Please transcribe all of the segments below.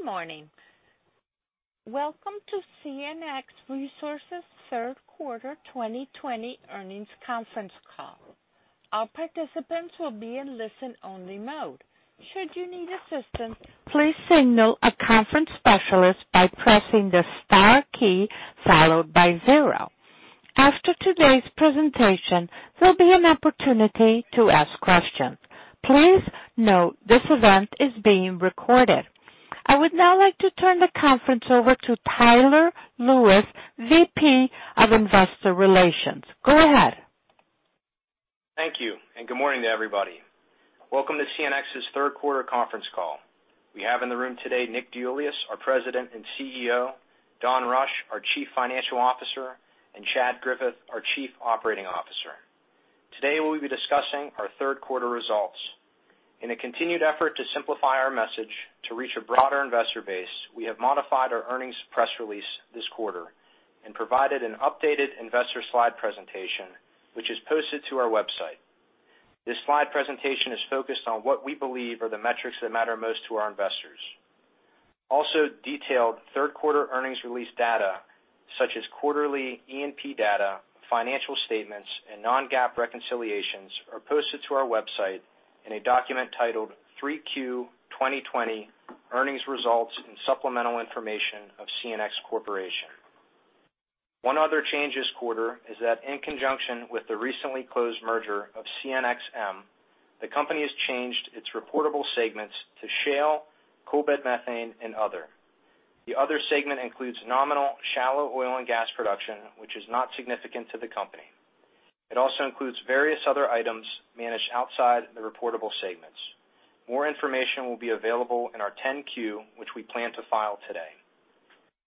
Good morning. Welcome to CNX Resources' third quarter 2020 earnings conference call. Our participants will be in listen only mode. Should do you need assistance, please signal a conference specialist by pressing the star key followed by zero. After today's presentation, there will be an opportunity to ask a questions. Please note this event is being recorded. I would now like to turn the conference over to Tyler Lewis, Vice President of Investor Relations. Go ahead. Thank you, good morning to everybody. Welcome to CNX's third quarter conference call. We have in the room today Nick DeIuliis, our President and CEO, Don Rush, our Chief Financial Officer, and Chad Griffith, our Chief Operating Officer. Today, we'll be discussing our third quarter results. In a continued effort to simplify our message to reach a broader investor base, we have modified our earnings press release this quarter and provided an updated investor slide presentation, which is posted to our website. This slide presentation is focused on what we believe are the metrics that matter most to our investors. Also detailed third quarter earnings release data such as quarterly E&P data, financial statements, and non-GAAP reconciliations are posted to our website in a document titled 3Q 2020 Earnings Results and Supplemental Information of CNX Resources Corporation. One other change this quarter is that in conjunction with the recently closed merger of CNXM, the company has changed its reportable segments to shale, coalbed methane, and other. The other segment includes nominal shallow oil and gas production, which is not significant to the company. It also includes various other items managed outside the reportable segments. More information will be available in our 10-Q, which we plan to file today.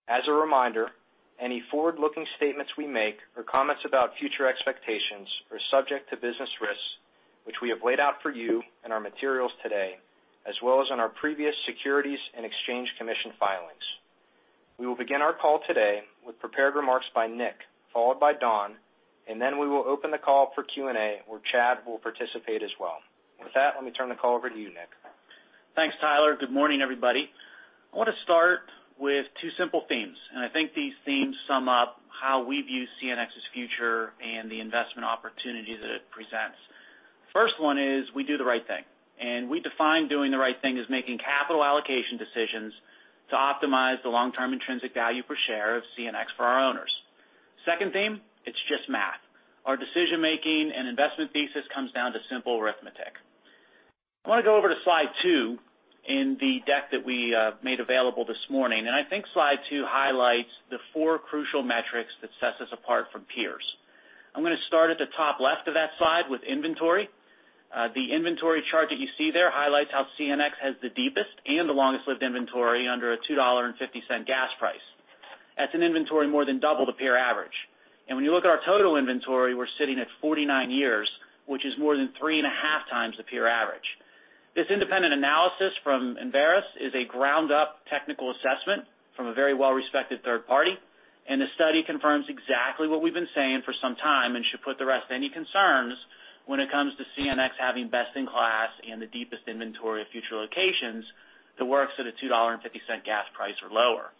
As a reminder, any forward-looking statements we make or comments about future expectations are subject to business risks, which we have laid out for you in our materials today, as well as in our previous Securities and Exchange Commission filings. We will begin our call today with prepared remarks by Nick, followed by Don, and then we will open the call for Q&A, where Chad will participate as well. With that, let me turn the call over to you, Nick. Thanks, Tyler. Good morning, everybody. I want to start with two simple themes. I think these themes sum up how we view CNX's future and the investment opportunity that it presents. First one is we do the right thing. We define doing the right thing as making capital allocation decisions to optimize the long-term intrinsic value per share of CNX for our owners. Second theme, it's just math. Our decision-making and investment thesis comes down to simple arithmetic. I want to go over to slide two in the deck that we made available this morning. I think slide two highlights the four crucial metrics that sets us apart from peers. I'm going to start at the top left of that slide with inventory. The inventory chart that you see there highlights how CNX has the deepest and the longest-lived inventory under a $2.50 gas price. That's an inventory more than double the peer average. When you look at our total inventory, we're sitting at 49 years, which is more than three and a half times the peer average. This independent analysis from Enverus is a ground-up technical assessment from a very well-respected third party, and the study confirms exactly what we've been saying for some time and should put to rest any concerns when it comes to CNX having best-in-class and the deepest inventory of future locations that works at a $2.50 gas price or lower.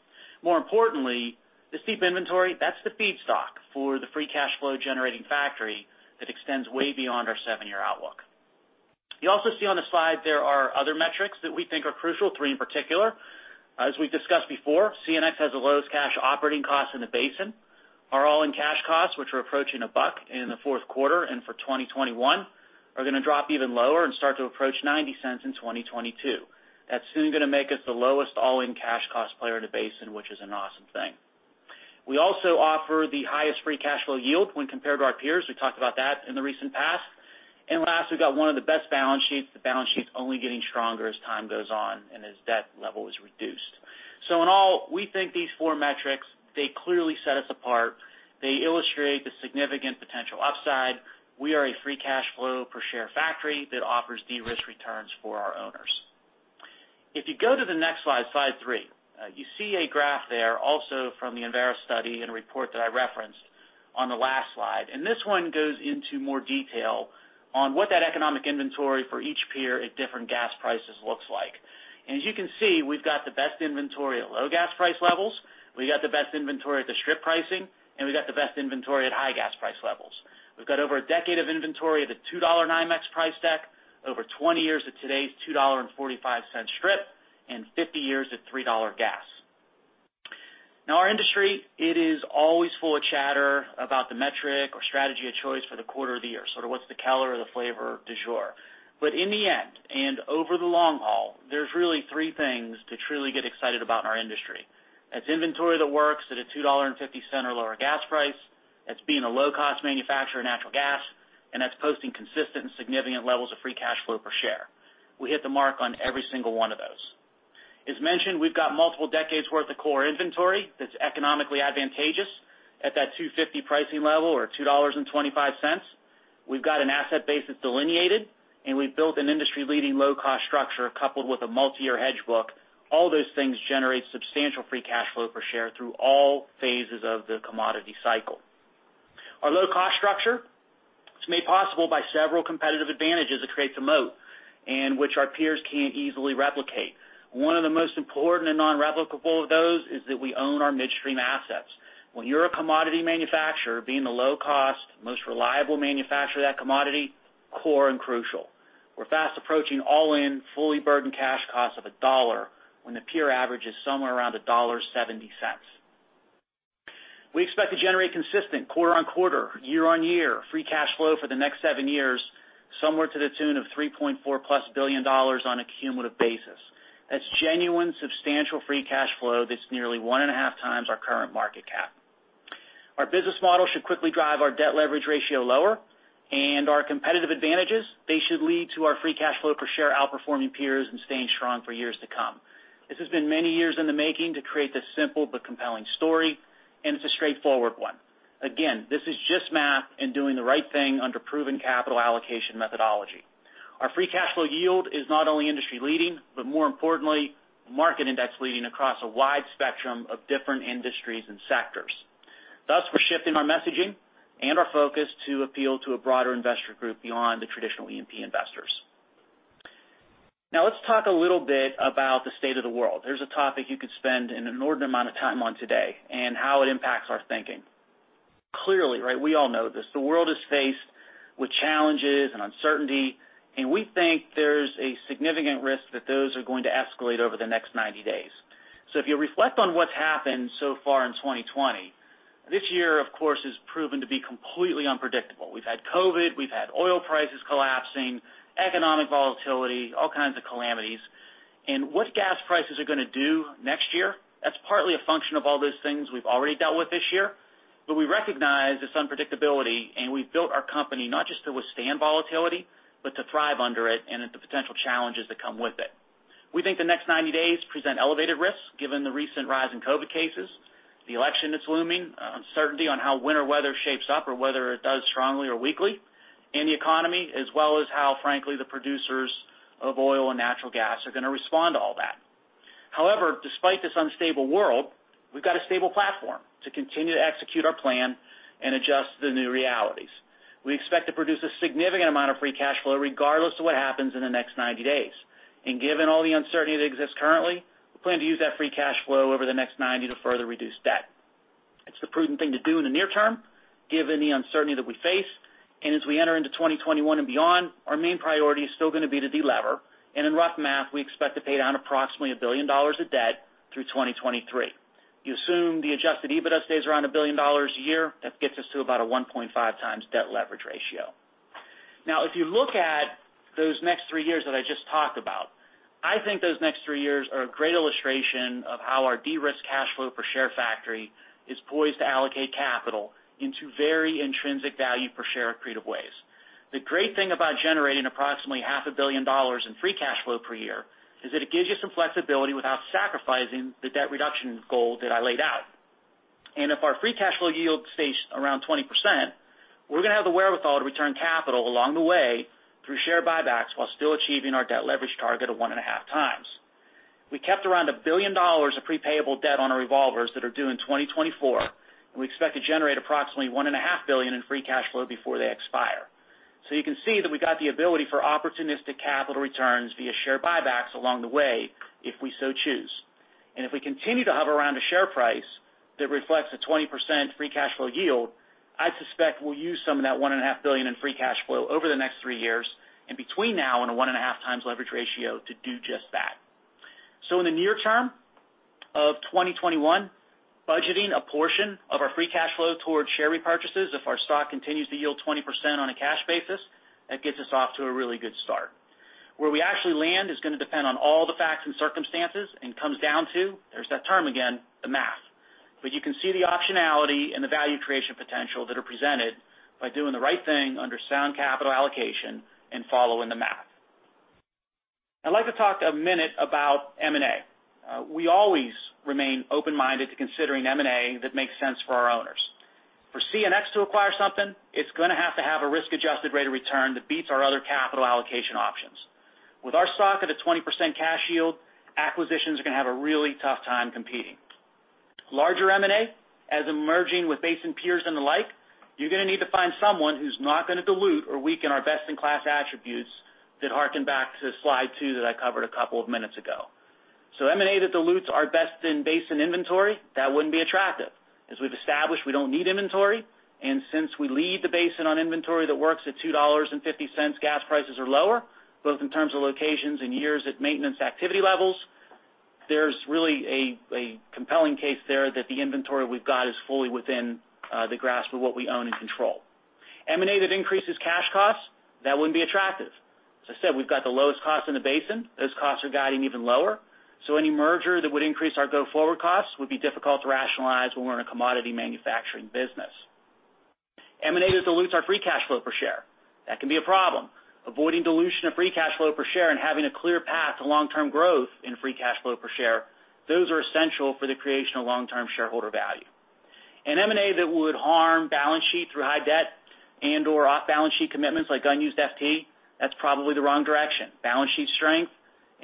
More importantly, the steep inventory, that's the feedstock for the free cash flow-generating factory that extends way beyond our seven year outlook. You also see on the slide there are other metrics that we think are crucial, three in particular. As we've discussed before, CNX has the lowest cash operating cost in the basin. Our all-in cash costs, which are approaching $1 in the fourth quarter and for 2021, are going to drop even lower and start to approach $0.90 in 2022. That's soon going to make us the lowest all-in cash cost player in the basin, which is an awesome thing. We also offer the highest free cash flow yield when compared to our peers. We talked about that in the recent past. Last, we've got one of the best balance sheets. The balance sheet's only getting stronger as time goes on and as debt level is reduced. In all, we think these four metrics, they clearly set us apart. They illustrate the significant potential upside. We are a free cash flow per share factory that offers de-risk returns for our owners. If you go to the next slide three, you see a graph there also from the Enverus study and report that I referenced on the last slide. This one goes into more detail on what that economic inventory for each peer at different gas prices looks like. As you can see, we've got the best inventory at low gas price levels, we've got the best inventory at the strip pricing, and we've got the best inventory at high gas price levels. We've got over a decade of inventory at a $2 NYMEX price deck, over 20 years at today's $2.45 strip, and 50 years at $3 gas. Our industry, it is always full of chatter about the metric or strategy of choice for the quarter of the year, sort of what's the color or the flavor du jour. In the end, and over the long haul, there's really three things to truly get excited about in our industry. That's inventory that works at a $2.50 or lower gas price, that's being a low-cost manufacturer of natural gas, and that's posting consistent and significant levels of free cash flow per share. We hit the mark on every single one of those. As mentioned, we've got multiple decades worth of core inventory that's economically advantageous at that $2.50 pricing level or $2.25. We've got an asset base that's delineated, and we've built an industry-leading low-cost structure coupled with a multiyear hedge book. All those things generate substantial free cash flow per share through all phases of the commodity cycle. Our low-cost structure is made possible by several competitive advantages that create the moat, and which our peers can't easily replicate. One of the most important and non-replicable of those is that we own our midstream assets. When you're a commodity manufacturer, being the low cost, most reliable manufacturer of that commodity, core and crucial. We're fast approaching all-in, fully burdened cash cost of $1 when the peer average is somewhere around $1.70. We expect to generate consistent quarter-on-quarter, year-on-year free cash flow for the next seven years, somewhere to the tune of $3.4+ billion on a cumulative basis. That's genuine, substantial free cash flow that's nearly one and a half times our current market cap. Our business model should quickly drive our debt leverage ratio lower. Our competitive advantages, they should lead to our free cash flow per share outperforming peers and staying strong for years to come. This has been many years in the making to create this simple but compelling story, and it's a straightforward one. Again, this is just math and doing the right thing under proven capital allocation methodology. Our free cash flow yield is not only industry leading, but more importantly, market index leading across a wide spectrum of different industries and sectors. Thus, we're shifting our messaging and our focus to appeal to a broader investor group beyond the traditional E&P investors. Now let's talk a little bit about the state of the world. There's a topic you could spend an inordinate amount of time on today, and how it impacts our thinking. Clearly, right, we all know this, the world is faced with challenges and uncertainty, and we think there's a significant risk that those are going to escalate over the next 90 days. If you reflect on what's happened so far in 2020, this year, of course, has proven to be completely unpredictable. We've had COVID, we've had oil prices collapsing, economic volatility, all kinds of calamities. What gas prices are gonna do next year, that's partly a function of all those things we've already dealt with this year. We recognize this unpredictability, and we've built our company not just to withstand volatility, but to thrive under it and the potential challenges that come with it. We think the next 90 days present elevated risks, given the recent rise in COVID cases, the election that's looming, uncertainty on how winter weather shapes up or whether it does strongly or weakly in the economy, as well as how, frankly, the producers of oil and natural gas are gonna respond to all that. However, despite this unstable world, we've got a stable platform to continue to execute our plan and adjust to the new realities. We expect to produce a significant amount of free cash flow regardless of what happens in the next 90 days. Given all the uncertainty that exists currently, we plan to use that free cash flow over the next 90 to further reduce debt. It's the prudent thing to do in the near term, given the uncertainty that we face. As we enter into 2021 and beyond, our main priority is still gonna be to delever. In rough math, we expect to pay down approximately $1 billion of debt through 2023. You assume the adjusted EBITDA stays around $1 billion a year, that gets us to about a 1.5 times debt leverage ratio. If you look at those next three years that I just talked about, I think those next three years are a great illustration of how our de-risk cash flow per share factory is poised to allocate capital into very intrinsic value per share accretive ways. The great thing about generating approximately half a billion dollars in free cash flow per year is that it gives you some flexibility without sacrificing the debt reduction goal that I laid out. If our free cash flow yield stays around 20%, we're gonna have the wherewithal to return capital along the way through share buybacks while still achieving our debt leverage target of 1.5x. We kept around $1 billion of pre-payable debt on our revolvers that are due in 2024, and we expect to generate approximately $1.5 billion in free cash flow before they expire. You can see that we got the ability for opportunistic capital returns via share buybacks along the way if we so choose. If we continue to hover around a share price that reflects a 20% free cash flow yield, I suspect we'll use some of that $1.5 billion in free cash flow over the next three years and between now and a one and a half times leverage ratio to do just that. In the near term of 2021, budgeting a portion of our free cash flow towards share repurchases if our stock continues to yield 20% on a cash basis, that gets us off to a really good start. Where we actually land is gonna depend on all the facts and circumstances, and comes down to, there's that term again, the math. You can see the optionality and the value creation potential that are presented by doing the right thing under sound capital allocation and following the math. I'd like to talk a minute about M&A. We always remain open-minded to considering M&A that makes sense for our owners. For CNX to acquire something, it's gonna have to have a risk-adjusted rate of return that beats our other capital allocation options. With our stock at a 20% cash yield, acquisitions are gonna have a really tough time competing. Larger M&A, as in merging with basin peers and the like, you're gonna need to find someone who's not gonna dilute or weaken our best-in-class attributes that harken back to slide two that I covered a couple of minutes ago. M&A that dilutes our best in basin inventory, that wouldn't be attractive. As we've established, we don't need inventory, and since we lead the basin on inventory that works at $2.50 gas prices or lower, both in terms of locations and years at maintenance activity levels, there's really a compelling case there that the inventory we've got is fully within the grasp of what we own and control. M&A that increases cash costs, that wouldn't be attractive. As I said, we've got the lowest costs in the basin. Those costs are guiding even lower. Any merger that would increase our go-forward costs would be difficult to rationalize when we're in a commodity manufacturing business. M&A that dilutes our free cash flow per share, that can be a problem. Avoiding dilution of free cash flow per share and having a clear path to long-term growth in free cash flow per share, those are essential for the creation of long-term shareholder value. M&A that would harm balance sheet through high debt and/or off-balance sheet commitments like unused FT, that's probably the wrong direction. Balance sheet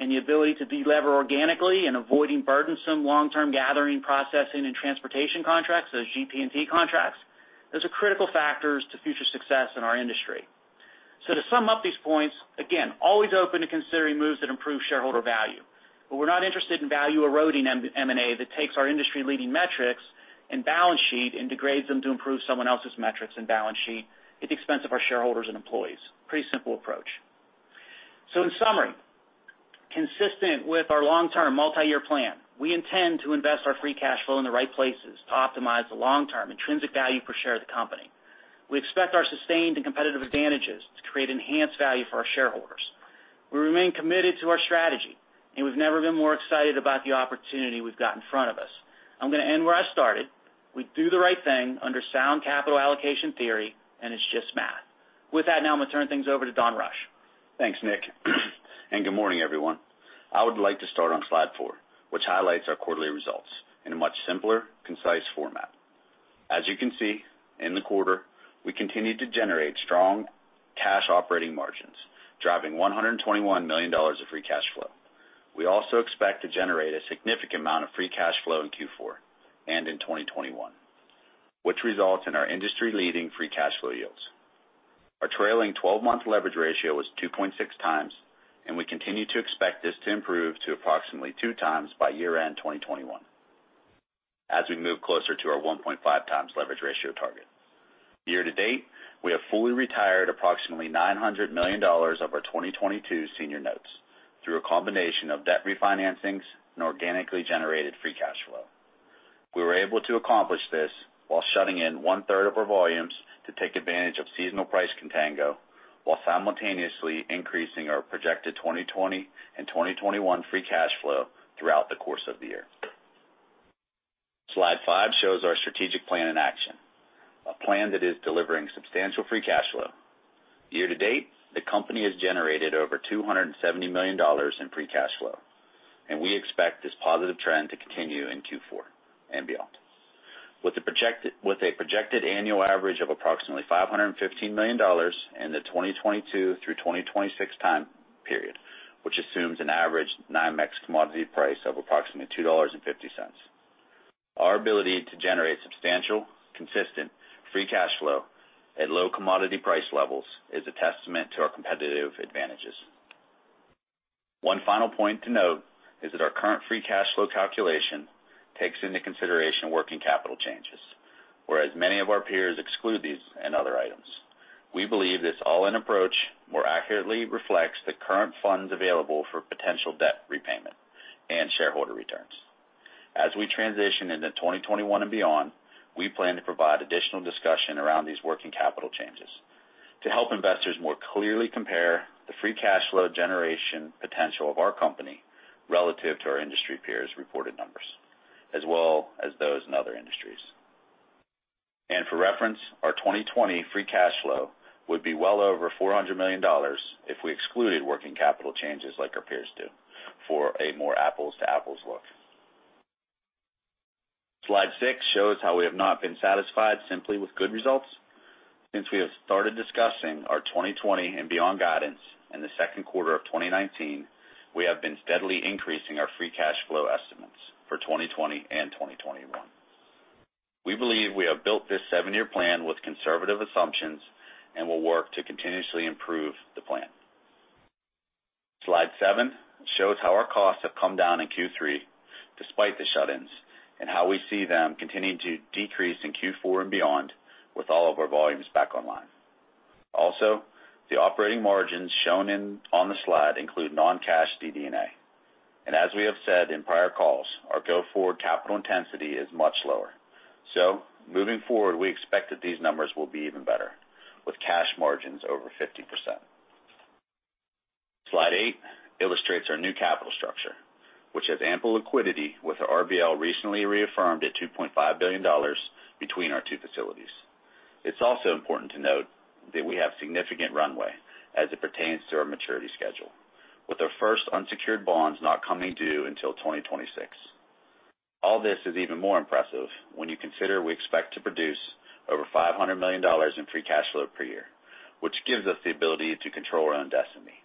strength and the ability to delever organically and avoiding burdensome long-term gathering, processing, and transportation contracts, those GP&T contracts, those are critical factors to future success in our industry. To sum up these points, again, always open to considering moves that improve shareholder value. We're not interested in value-eroding M&A that takes our industry-leading metrics and balance sheet and degrades them to improve someone else's metrics and balance sheet at the expense of our shareholders and employees. Pretty simple approach. In summary, consistent with our long-term multi-year plan, we intend to invest our free cash flow in the right places to optimize the long-term intrinsic value per share of the company. We expect our sustained and competitive advantages to create enhanced value for our shareholders. We remain committed to our strategy. We've never been more excited about the opportunity we've got in front of us. I'm going to end where I started. We do the right thing under sound capital allocation theory. It's just math. With that, now I'm going to turn things over to Don Rush. Thanks, Nick. Good morning, everyone. I would like to start on slide four, which highlights our quarterly results in a much simpler, concise format. As you can see, in the quarter, we continued to generate strong cash operating margins, driving $121 million of free cash flow. We also expect to generate a significant amount of free cash flow in Q4 and in 2021, which results in our industry-leading free cash flow yields. Our trailing 12-month leverage ratio was 2.6 times, and we continue to expect this to improve to approximately 2 times by year-end 2021 as we move closer to our 1.5 times leverage ratio target. Year to date, we have fully retired approximately $900 million of our 2022 senior notes through a combination of debt refinancings and organically generated free cash flow. We were able to accomplish this while shutting in one-third of our volumes to take advantage of seasonal price contango, while simultaneously increasing our projected 2020 and 2021 free cash flow throughout the course of the year. Slide five shows our strategic plan in action, a plan that is delivering substantial free cash flow. Year to date, the company has generated over $270 million in free cash flow, and we expect this positive trend to continue in Q4 and beyond. With a projected annual average of approximately $515 million in the 2022 through 2026 time period, which assumes an average NYMEX commodity price of approximately $2.50. Our ability to generate substantial, consistent free cash flow at low commodity price levels is a testament to our competitive advantages. One final point to note is that our current free cash flow calculation takes into consideration working capital changes, whereas many of our peers exclude these and other items. We believe this all-in approach more accurately reflects the current funds available for potential debt repayment and shareholder returns. As we transition into 2021 and beyond, we plan to provide additional discussion around these working capital changes to help investors more clearly compare the free cash flow generation potential of our company relative to our industry peers' reported numbers, as well as those in other industries. For reference, our 2020 free cash flow would be well over $400 million if we excluded working capital changes like our peers do for a more apples-to-apples look. Slide six shows how we have not been satisfied simply with good results. Since we have started discussing our 2020 and beyond guidance in the second quarter of 2019, we have been steadily increasing our free cash flow estimates for 2020 and 2021. We believe we have built this seven year plan with conservative assumptions and will work to continuously improve the plan. Slide seven shows how our costs have come down in Q3 despite the shut-ins and how we see them continuing to decrease in Q4 and beyond with all of our volumes back online. The operating margins shown on the slide include non-cash DD&A. As we have said in prior calls, our go-forward capital intensity is much lower. Moving forward, we expect that these numbers will be even better with cash margins over 50%. Slide eight illustrates our new capital structure, which has ample liquidity with our RBL recently reaffirmed at $2.5 billion between our two facilities. It's also important to note that we have significant runway as it pertains to our maturity schedule, with our first unsecured bonds not coming due until 2026. All this is even more impressive when you consider we expect to produce over $500 million in free cash flow per year, which gives us the ability to control our own destiny.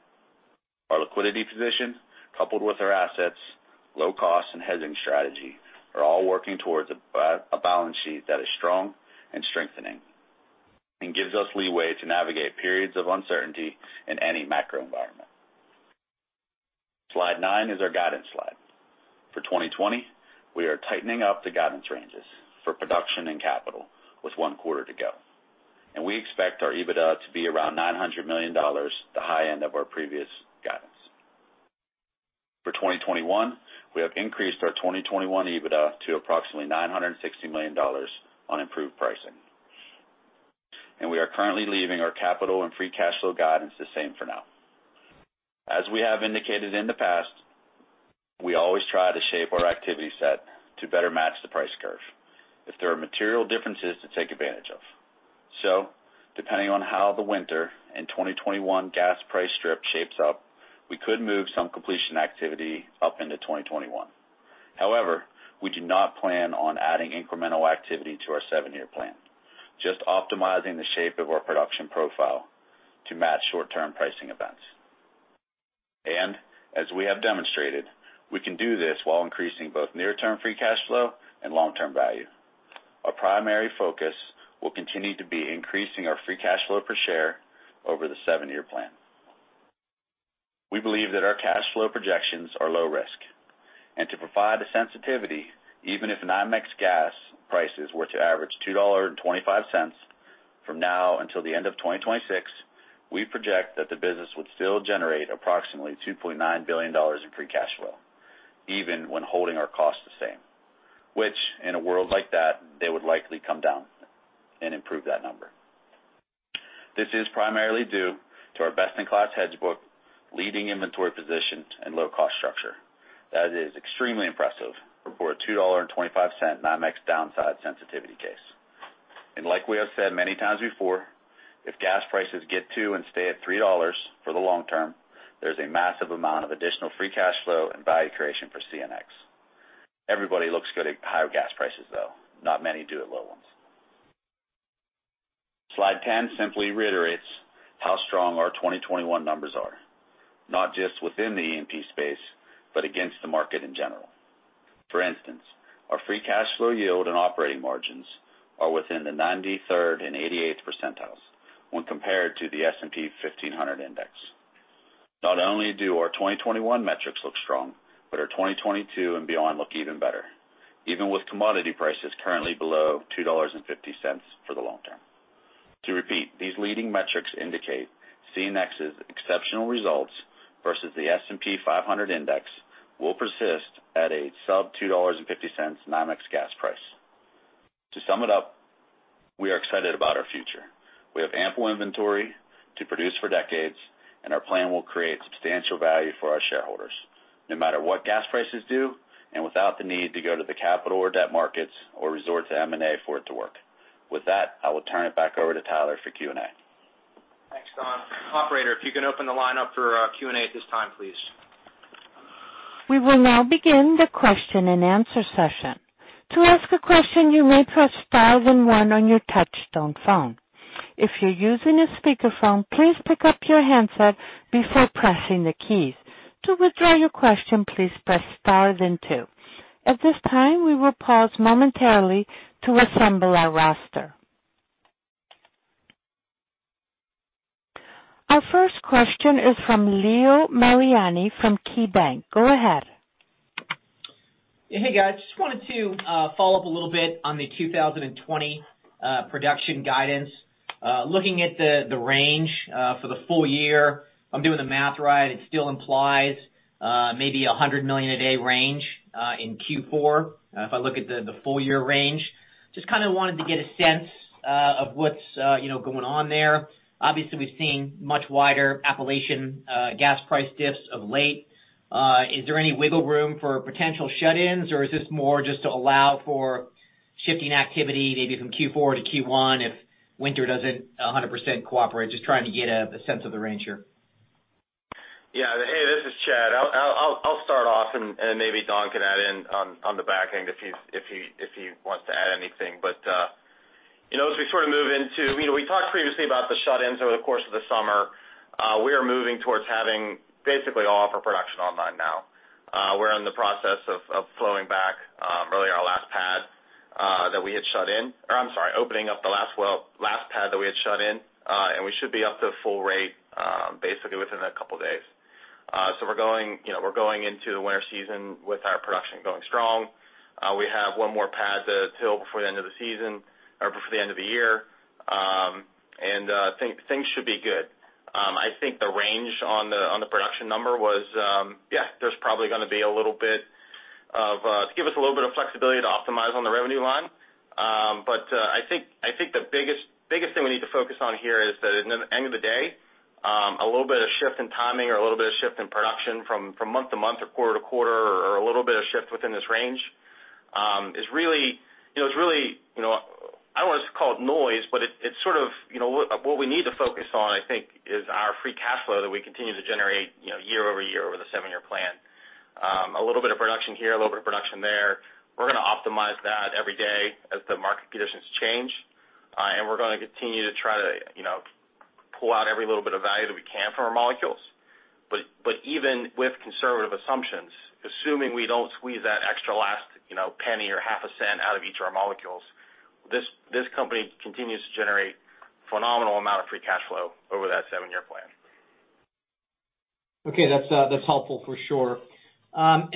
Our liquidity position, coupled with our assets, low cost, and hedging strategy, are all working towards a balance sheet that is strong and strengthening and gives us leeway to navigate periods of uncertainty in any macro environment. Slide nine is our guidance slide. For 2020, we are tightening up the guidance ranges for production and capital with one quarter to go. We expect our EBITDA to be around $900 million, the high end of our previous guidance. For 2021, we have increased our 2021 EBITDA to approximately $960 million on improved pricing. We are currently leaving our capital and free cash flow guidance the same for now. As we have indicated in the past, we always try to shape our activity set to better match the price curve if there are material differences to take advantage of. Depending on how the winter and 2021 gas price strip shapes up, we could move some completion activity up into 2021. However, we do not plan on adding incremental activity to our seven year plan, just optimizing the shape of our production profile to match short-term pricing events. As we have demonstrated, we can do this while increasing both near-term free cash flow and long-term value. Our primary focus will continue to be increasing our free cash flow per share over the seven year plan. We believe that our cash flow projections are low risk. To provide a sensitivity, even if NYMEX gas prices were to average $2.25 from now until the end of 2026, we project that the business would still generate approximately $2.9 billion in free cash flow, even when holding our costs the same. Which, in a world like that, they would likely come down and improve that number. This is primarily due to our best-in-class hedge book, leading inventory position, and low-cost structure. That is extremely impressive for a $2.25 NYMEX downside sensitivity case. Like we have said many times before, if gas prices get to and stay at $3 for the long term, there's a massive amount of additional free cash flow and value creation for CNX. Everybody looks good at higher gas prices, though not many do at low ones. Slide 10 simply reiterates how strong our 2021 numbers are, not just within the E&P space, but against the market in general. For instance, our free cash flow yield and operating margins are within the 93rd and 88th percentiles when compared to the S&P 1500 index. Not only do our 2021 metrics look strong, but our 2022 and beyond look even better, even with commodity prices currently below $2.50 for the long term. To repeat, these leading metrics indicate CNX's exceptional results versus the S&P 500 index will persist at a sub $2.50 NYMEX gas price. To sum it up, we are excited about our future. We have ample inventory to produce for decades, and our plan will create substantial value for our shareholders no matter what gas prices do and without the need to go to the capital or debt markets or resort to M&A for it to work. With that, I will turn it back over to Tyler for Q&A. Thanks, Don. Operator, if you can open the line up for Q&A at this time, please. We will now begin the question-and-answer session. To ask a question you may press zero and one on touchtone phone. If you are using a speaker phone, please pick up your handset before pressing the keys. To withdraw your question please press star then two. At this time, we will pause momentarily to assemble our roster. Our first question is from Leo Mariani from KeyBanc. Go ahead. Hey, guys. Just wanted to follow up a little bit on the 2020 production guidance. Looking at the range for the full year, if I'm doing the math right, it still implies maybe a $100 million a day range in Q4, if I look at the full-year range. Just kinda wanted to get a sense of what's, you know, going on there. Obviously, we've seen much wider Appalachian gas price dips of late. Is there any wiggle room for potential shut-ins, or is this more just to allow for shifting activity, maybe from Q4 to Q1 if winter doesn't 100% cooperate? Just trying to get the sense of the range here. Yeah. Hey, this is Chad. I'll start off. Maybe Don can add in on the back end if he wants to add anything. You know, we talked previously about the shut-ins over the course of the summer. We are moving towards having basically all of our production online now. We're in the process of flowing back, really our last pad that we had shut in. Or I'm sorry, opening up the last well, last pad that we had shut in. We should be up to full rate, basically within a couple days. You know, we're going into the winter season with our production going strong. We have one more pad to TIL before the end of the season or before the end of the year. Things should be good. I think the range on the production number was, yeah, there's probably gonna be a little bit to give us a little bit of flexibility to optimize on the revenue line. I think the biggest thing we need to focus on here is that at the end of the day, a little bit of shift in timing or a little bit of shift in production from month to month or quarter to quarter or a little bit of shift within this range, is really, you know, I don't want to call it noise, but it's sort of, you know, what we need to focus on, I think, is our free cash flow that we continue to generate, you know, year over year over the seven year plan. A little bit of production here, a little bit of production there, we're gonna optimize that every day as the market conditions change. We're gonna continue to try to, you know, pull out every little bit of value that we can from our molecules. But even with conservative assumptions, assuming we don't squeeze that extra last, you know, penny or half a cent out of each of our molecules, this company continues to generate phenomenal amount of free cash flow over that seven year plan. Okay. That's that's helpful for sure.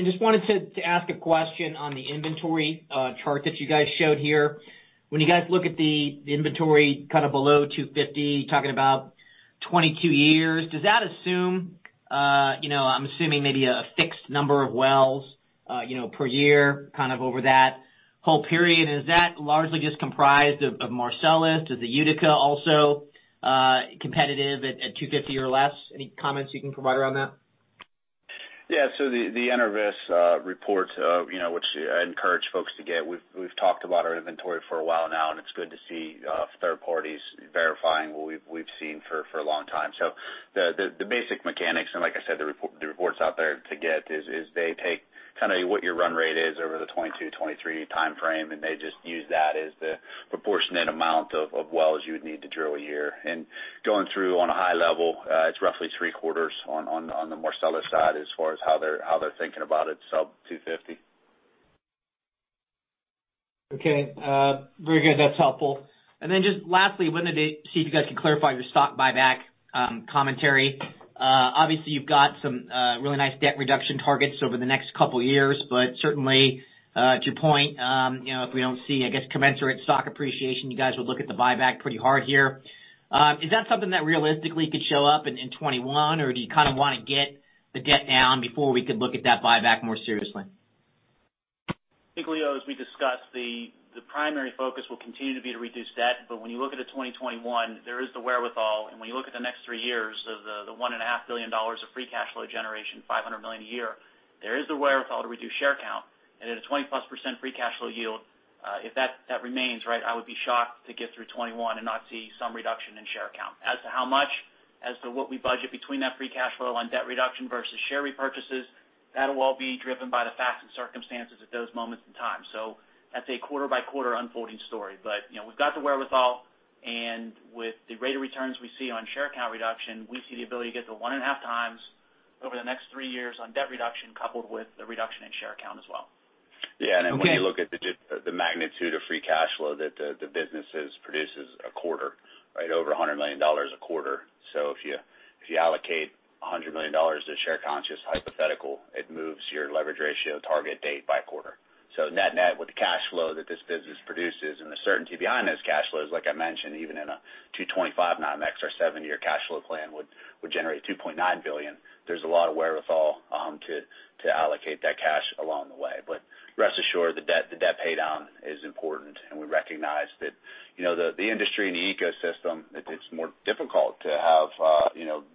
Just wanted to ask a question on the inventory chart that you guys showed here. When you guys look at the inventory kind of below 250, talking about 22 years, does that assume, you know, I'm assuming maybe a fixed number of wells, you know, per year kind of over that whole period. Is that largely just comprised of Marcellus? Is the Utica also competitive at 250 or less? Any comments you can provide around that? Yeah. The Enverus report, you know, which I encourage folks to get, we've talked about our inventory for a while now, and it's good to see third parties verifying what we've seen for a long time. The basic mechanics reports out there to get is they take what your run rate is over the 2022, 2023 timeframe, and they just use that as the proportionate amount of wells you would need to drill a year. Going through on a high level, it's roughly three quarters on the Marcellus side as far as how they're thinking about it, so 250. Okay. Very good. That's helpful. Then just lastly, wanted to see if you guys could clarify your stock buyback commentary. Obviously, you've got some really nice debt reduction targets over the next couple of years. Certainly, to your point, if we don't see, I guess, commensurate stock appreciation, you guys would look at the buyback pretty hard here. Is that something that realistically could show up in 2021, or do you kind of want to get the debt down before we could look at that buyback more seriously? I think, Leo, as we discussed, the primary focus will continue to be to reduce debt, but when you look ahead to 2021, there is the wherewithal, and when you look at the next three years, the $1.5 billion of free cash flow generation, $500 million a year, there is the wherewithal to reduce share count. And at a 20%+ free cash flow yield, if that remains, I would be shocked to get through 2021 and not see some reduction in share count. As to how much, as to what we budget between that free cash flow on debt reduction versus share repurchases, that'll all be driven by the facts and circumstances at those moments in time. That's a quarter-by-quarter unfolding story. We've got the wherewithal, and with the rate of returns we see on share count reduction, we see the ability to get to one and a half times over the next three years on debt reduction, coupled with the reduction in share count as well. Yeah. Okay. When you look at the magnitude of free cash flow that the businesses produces a quarter, over $100 million a quarter. If you allocate $100 million to share count, just hypothetical, it moves your leverage ratio target date by a quarter. Net net, with the cash flow that this business produces and the certainty behind those cash flows, like I mentioned, even in a $2.25 NYMEX or seven year cash flow plan would generate $2.9 billion. There's a lot of wherewithal to allocate that cash along the way. Rest assured, the debt pay down is important, and we recognize that the industry and the ecosystem, it's more difficult to have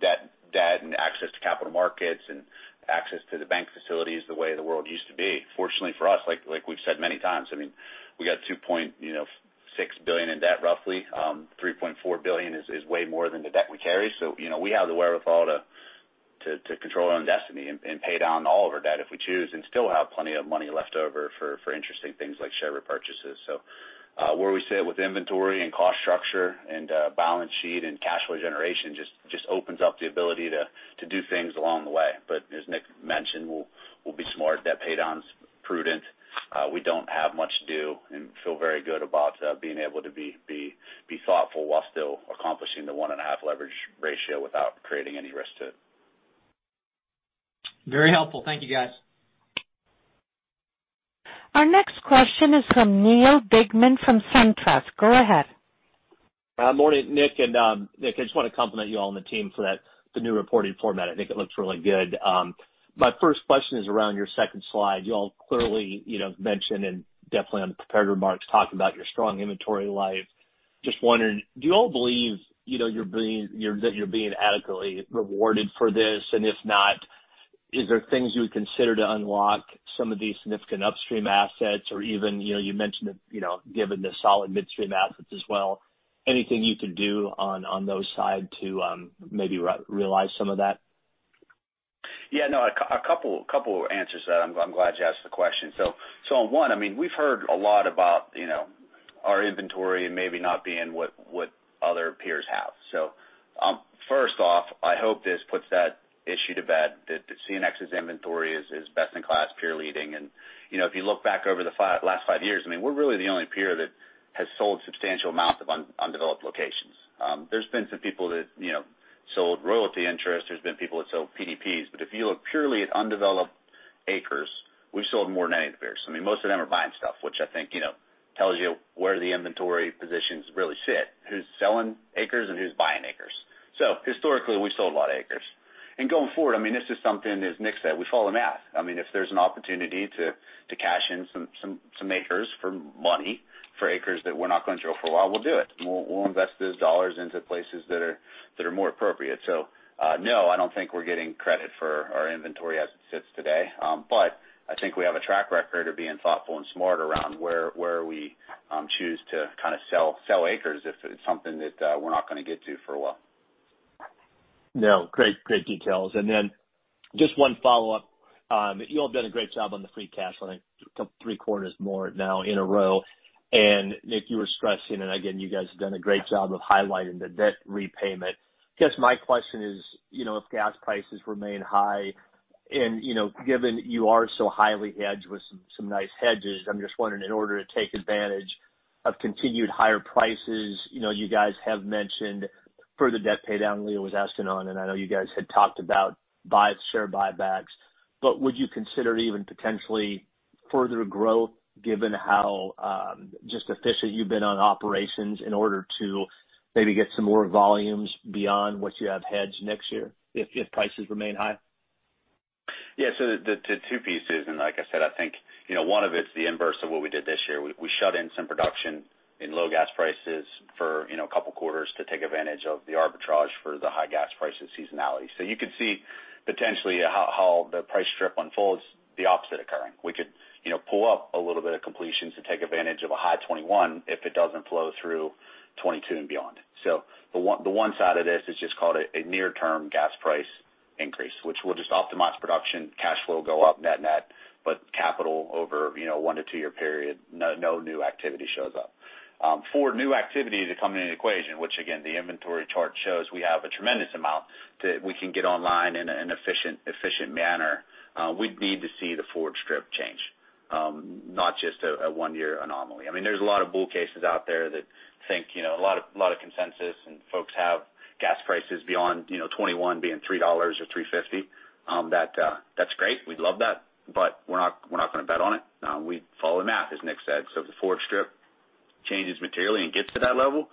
debt and access to capital markets and access to the bank facilities the way the world used to be. Fortunately for us, like we've said many times, we got $2.6 billion in debt, roughly. $3.4 billion is way more than the debt we carry. We have the wherewithal to control our own destiny and pay down all of our debt if we choose, and still have plenty of money left over for interesting things like share repurchases. Where we sit with inventory and cost structure and balance sheet and cash flow generation just opens up the ability to do things along the way. As Nick mentioned, we'll be smart. Debt paydown's prudent. We don't have much to do and feel very good about being able to be thoughtful while still accomplishing the 1.5 leverage ratio without creating any risk to it. Very helpful. Thank you, guys. Our next question is from Neil Dingmann from SunTrust. Go ahead. Morning, Nick. Nick, I just want to compliment you all on the team for the new reporting format. I think it looks really good. My first question is around your second slide. You all clearly mentioned, definitely on the prepared remarks, talked about your strong inventory life. Just wondering, do you all believe that you're being adequately rewarded for this? If not, is there things you would consider to unlock some of these significant upstream assets? Even, you mentioned that given the solid midstream assets as well, anything you could do on those side to maybe realize some of that? Yeah, no. A couple of answers to that. I'm glad you asked the question. On one, we've heard a lot about our inventory maybe not being what other peers have. First off, I hope this puts that issue to bed, that CNX's inventory is best in class, peer-leading. If you look back over the last five years, we're really the only peer that has sold substantial amounts of undeveloped locations. There's been some people that sold royalty interest, there's been people that sold PDPs, but if you look purely at undeveloped acres, we've sold more than any of the peers. Most of them are buying stuff, which I think tells you where the inventory positions really sit, who's selling acres and who's buying acres. Historically, we've sold a lot of acres. Going forward, this is something, as Nick said, we follow the math. If there's an opportunity to cash in some acres for money, for acres that we're not going to drill for a while, we'll do it. We'll invest those dollars into places that are more appropriate. No, I don't think we're getting credit for our inventory as it sits today. I think we have a track record of being thoughtful and smart around where we choose to sell acres if it's something that we're not going to get to for a while. No, great details. Just one follow-up. You all have done a great job on the free cash, I think three quarters more now in a row. Nick, you were stressing, and again, you guys have done a great job of highlighting the debt repayment. I guess my question is, if gas prices remain high and, given you are so highly hedged with some nice hedges, I'm just wondering, in order to take advantage of continued higher prices, you guys have mentioned further debt pay down, Leo was asking on, and I know you guys had talked about share buybacks, but would you consider even potentially further growth given how just efficient you've been on operations in order to maybe get some more volumes beyond what you have hedged next year if prices remain high? Yeah. The two pieces, and like I said, I think one of it's the inverse of what we did this year. We shut in some production in low gas prices for a couple of quarters to take advantage of the arbitrage for the high gas prices seasonality. You could see potentially how the price strip unfolds, the opposite occurring. Pull up a little bit of completions to take advantage of a high 2021 if it doesn't flow through 2022 and beyond. The one side of this is just call it a near-term gas price increase, which will just optimize production, cash flow go up net-net, but capital over one to two-year period, no new activity shows up. For new activity to come into the equation, which again, the inventory chart shows we have a tremendous amount that we can get online in an efficient manner, we'd need to see the forward strip change, not just a one year anomaly. There's a lot of bull cases out there that think, a lot of consensus, folks have gas prices beyond 2021 being $3 or $3.50. That's great. We'd love that, we're not going to bet on it. We follow the math, as Nick said. If the forward strip changes materially and gets to that level,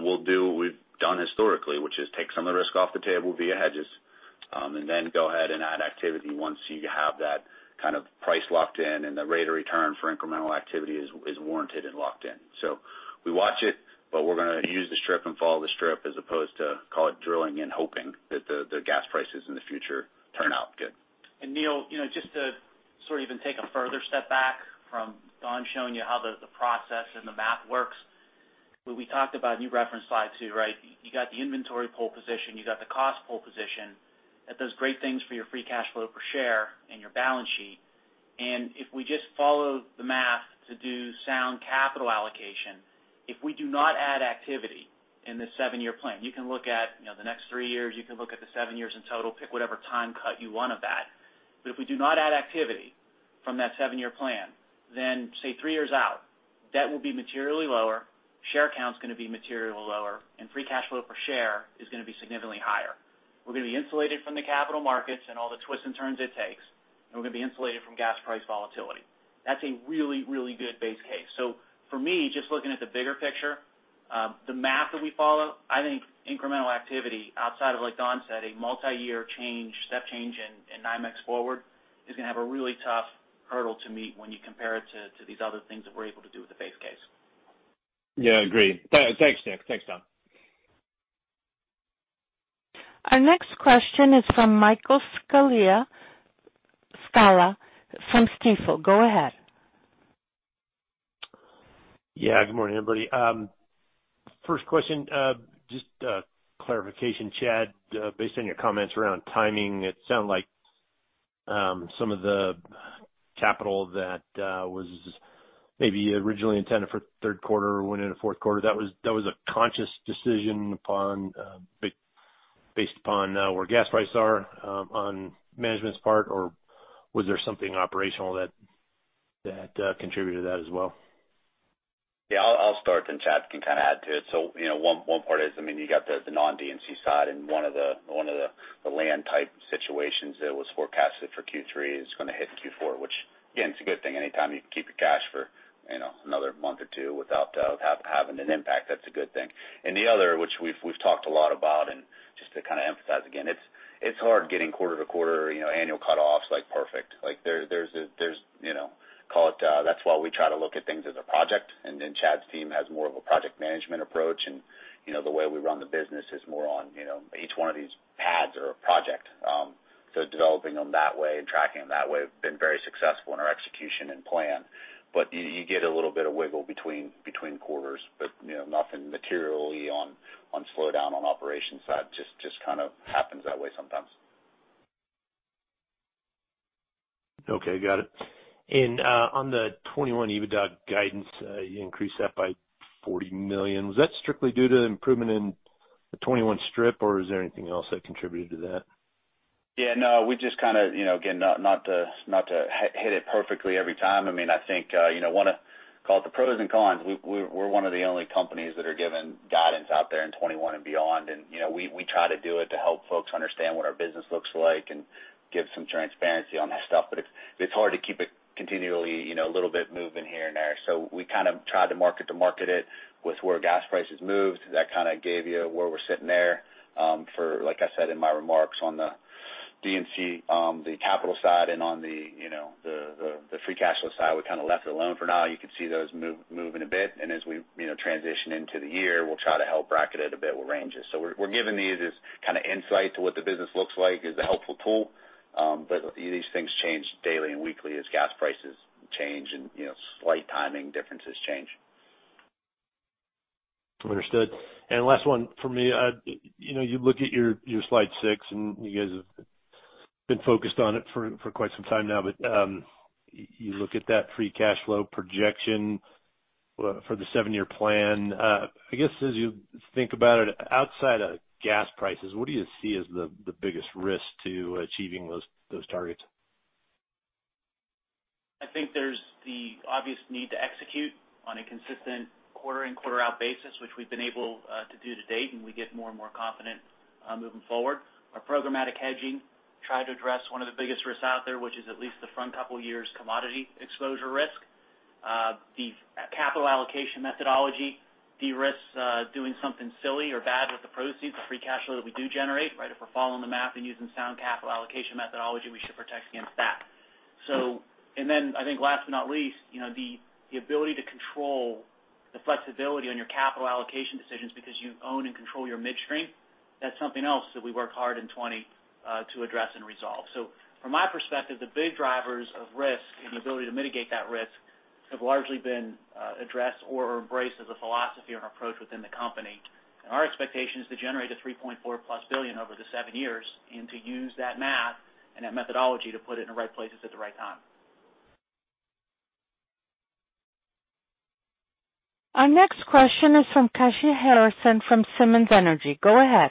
we'll do what we've done historically, which is take some of the risk off the table via hedges, then go ahead and add activity once you have that price locked in and the rate of return for incremental activity is warranted and locked in. We watch it, but we're going to use the strip and follow the strip as opposed to, call it drilling and hoping that the gas prices in the future turn out good. Neil, just to even take a further step back from Don showing you how the process and the math works. When we talked about, you referenced slide two. You got the inventory pole position, you got the cost pole position. That does great things for your free cash flow per share and your balance sheet. If we just follow the math to do sound capital allocation, if we do not add activity in this seven year plan, you can look at the next three years, you can look at the seven years in total, pick whatever time cut you want of that. If we do not add activity from that seven year plan, then say three years out, debt will be materially lower, share count's going to be materially lower, and free cash flow per share is going to be significantly higher. We're going to be insulated from the capital markets and all the twists and turns it takes, and we're going to be insulated from gas price volatility. That's a really, really good base case. For me, just looking at the bigger picture, the math that we follow, I think incremental activity outside of, like Don said, a multi-year change, step change in NYMEX forward, is going to have a really tough hurdle to meet when you compare it to these other things that we're able to do with the base case. Yeah, agreed. Thanks, Nick. Thanks, Don. Our next question is from Michael Scialla from Stifel. Go ahead. Yeah, good morning, everybody. First question, just a clarification, Chad. Based on your comments around timing, it sounded like some of the capital that was maybe originally intended for third quarter went into fourth quarter. That was a conscious decision based upon where gas prices are on management's part, or was there something operational that contributed to that as well? Yeah, I'll start, then Chad can add to it. One part is, you got the non-D&C side, and one of the land type situations that was forecasted for Q3 is going to hit in Q4, which, again, it's a good thing. Anytime you can keep your cash for another month or two without having an impact, that's a good thing. The other, which we've talked a lot about, and just to emphasize again, it's hard getting quarter to quarter annual cut-offs perfect. That's why we try to look at things as a project, and then Chad's team has more of a project management approach, and the way we run the business is more on each one of these pads or a project. Developing them that way and tracking them that way have been very successful in our execution and plan. You get a little bit of wiggle between quarters, but nothing materially on slowdown on operations side. Just happens that way sometimes. Okay, got it. On the 2021 EBITDA guidance, you increased that by $40 million. Was that strictly due to improvement in the 2021 strip, or is there anything else that contributed to that? No, we just, again, not to hit it perfectly every time. I think, want to call it the pros and cons. We're one of the only companies that are giving guidance out there in 2021 and beyond, and we try to do it to help folks understand what our business looks like and give some transparency on that stuff, but it's hard to keep it continually a little bit moving here and there. We tried to market-to-market it with where gas prices moved. That gave you where we're sitting there. For, like I said in my remarks on the D&C, the capital side, and on the free cash flow side, we left it alone for now. You can see those moving a bit, and as we transition into the year, we'll try to help bracket it a bit with ranges. We're giving these as insight to what the business looks like as a helpful tool. These things change daily and weekly as gas prices change and slight timing differences change. Understood. Last one from me. You look at your slide six, and you guys have been focused on it for quite some time now, but you look at that free cash flow projection for the seven year plan. I guess, as you think about it, outside of gas prices, what do you see as the biggest risk to achieving those targets? I think there's the obvious need to execute on a consistent quarter-in, quarter-out basis, which we've been able to do to date. We get more and more confident moving forward. Our programmatic hedging tried to address one of the biggest risks out there, which is at least the front couple of years' commodity exposure risk. The capital allocation methodology de-risks doing something silly or bad with the proceeds, the free cash flow that we do generate. If we're following the math and using sound capital allocation methodology, we should protect against that. I think last but not least, the ability to control. The flexibility on your capital allocation decisions because you own and control your midstream. That's something else that we work hard in 2020 to address and resolve. From my perspective, the big drivers of risk and the ability to mitigate that risk have largely been addressed or embraced as a philosophy or approach within the company. Our expectation is to generate a $3.4+ billion over the seven years, and to use that math and that methodology to put it in the right places at the right time. Our next question is from Kashy Harrison from Simmons Energy. Go ahead.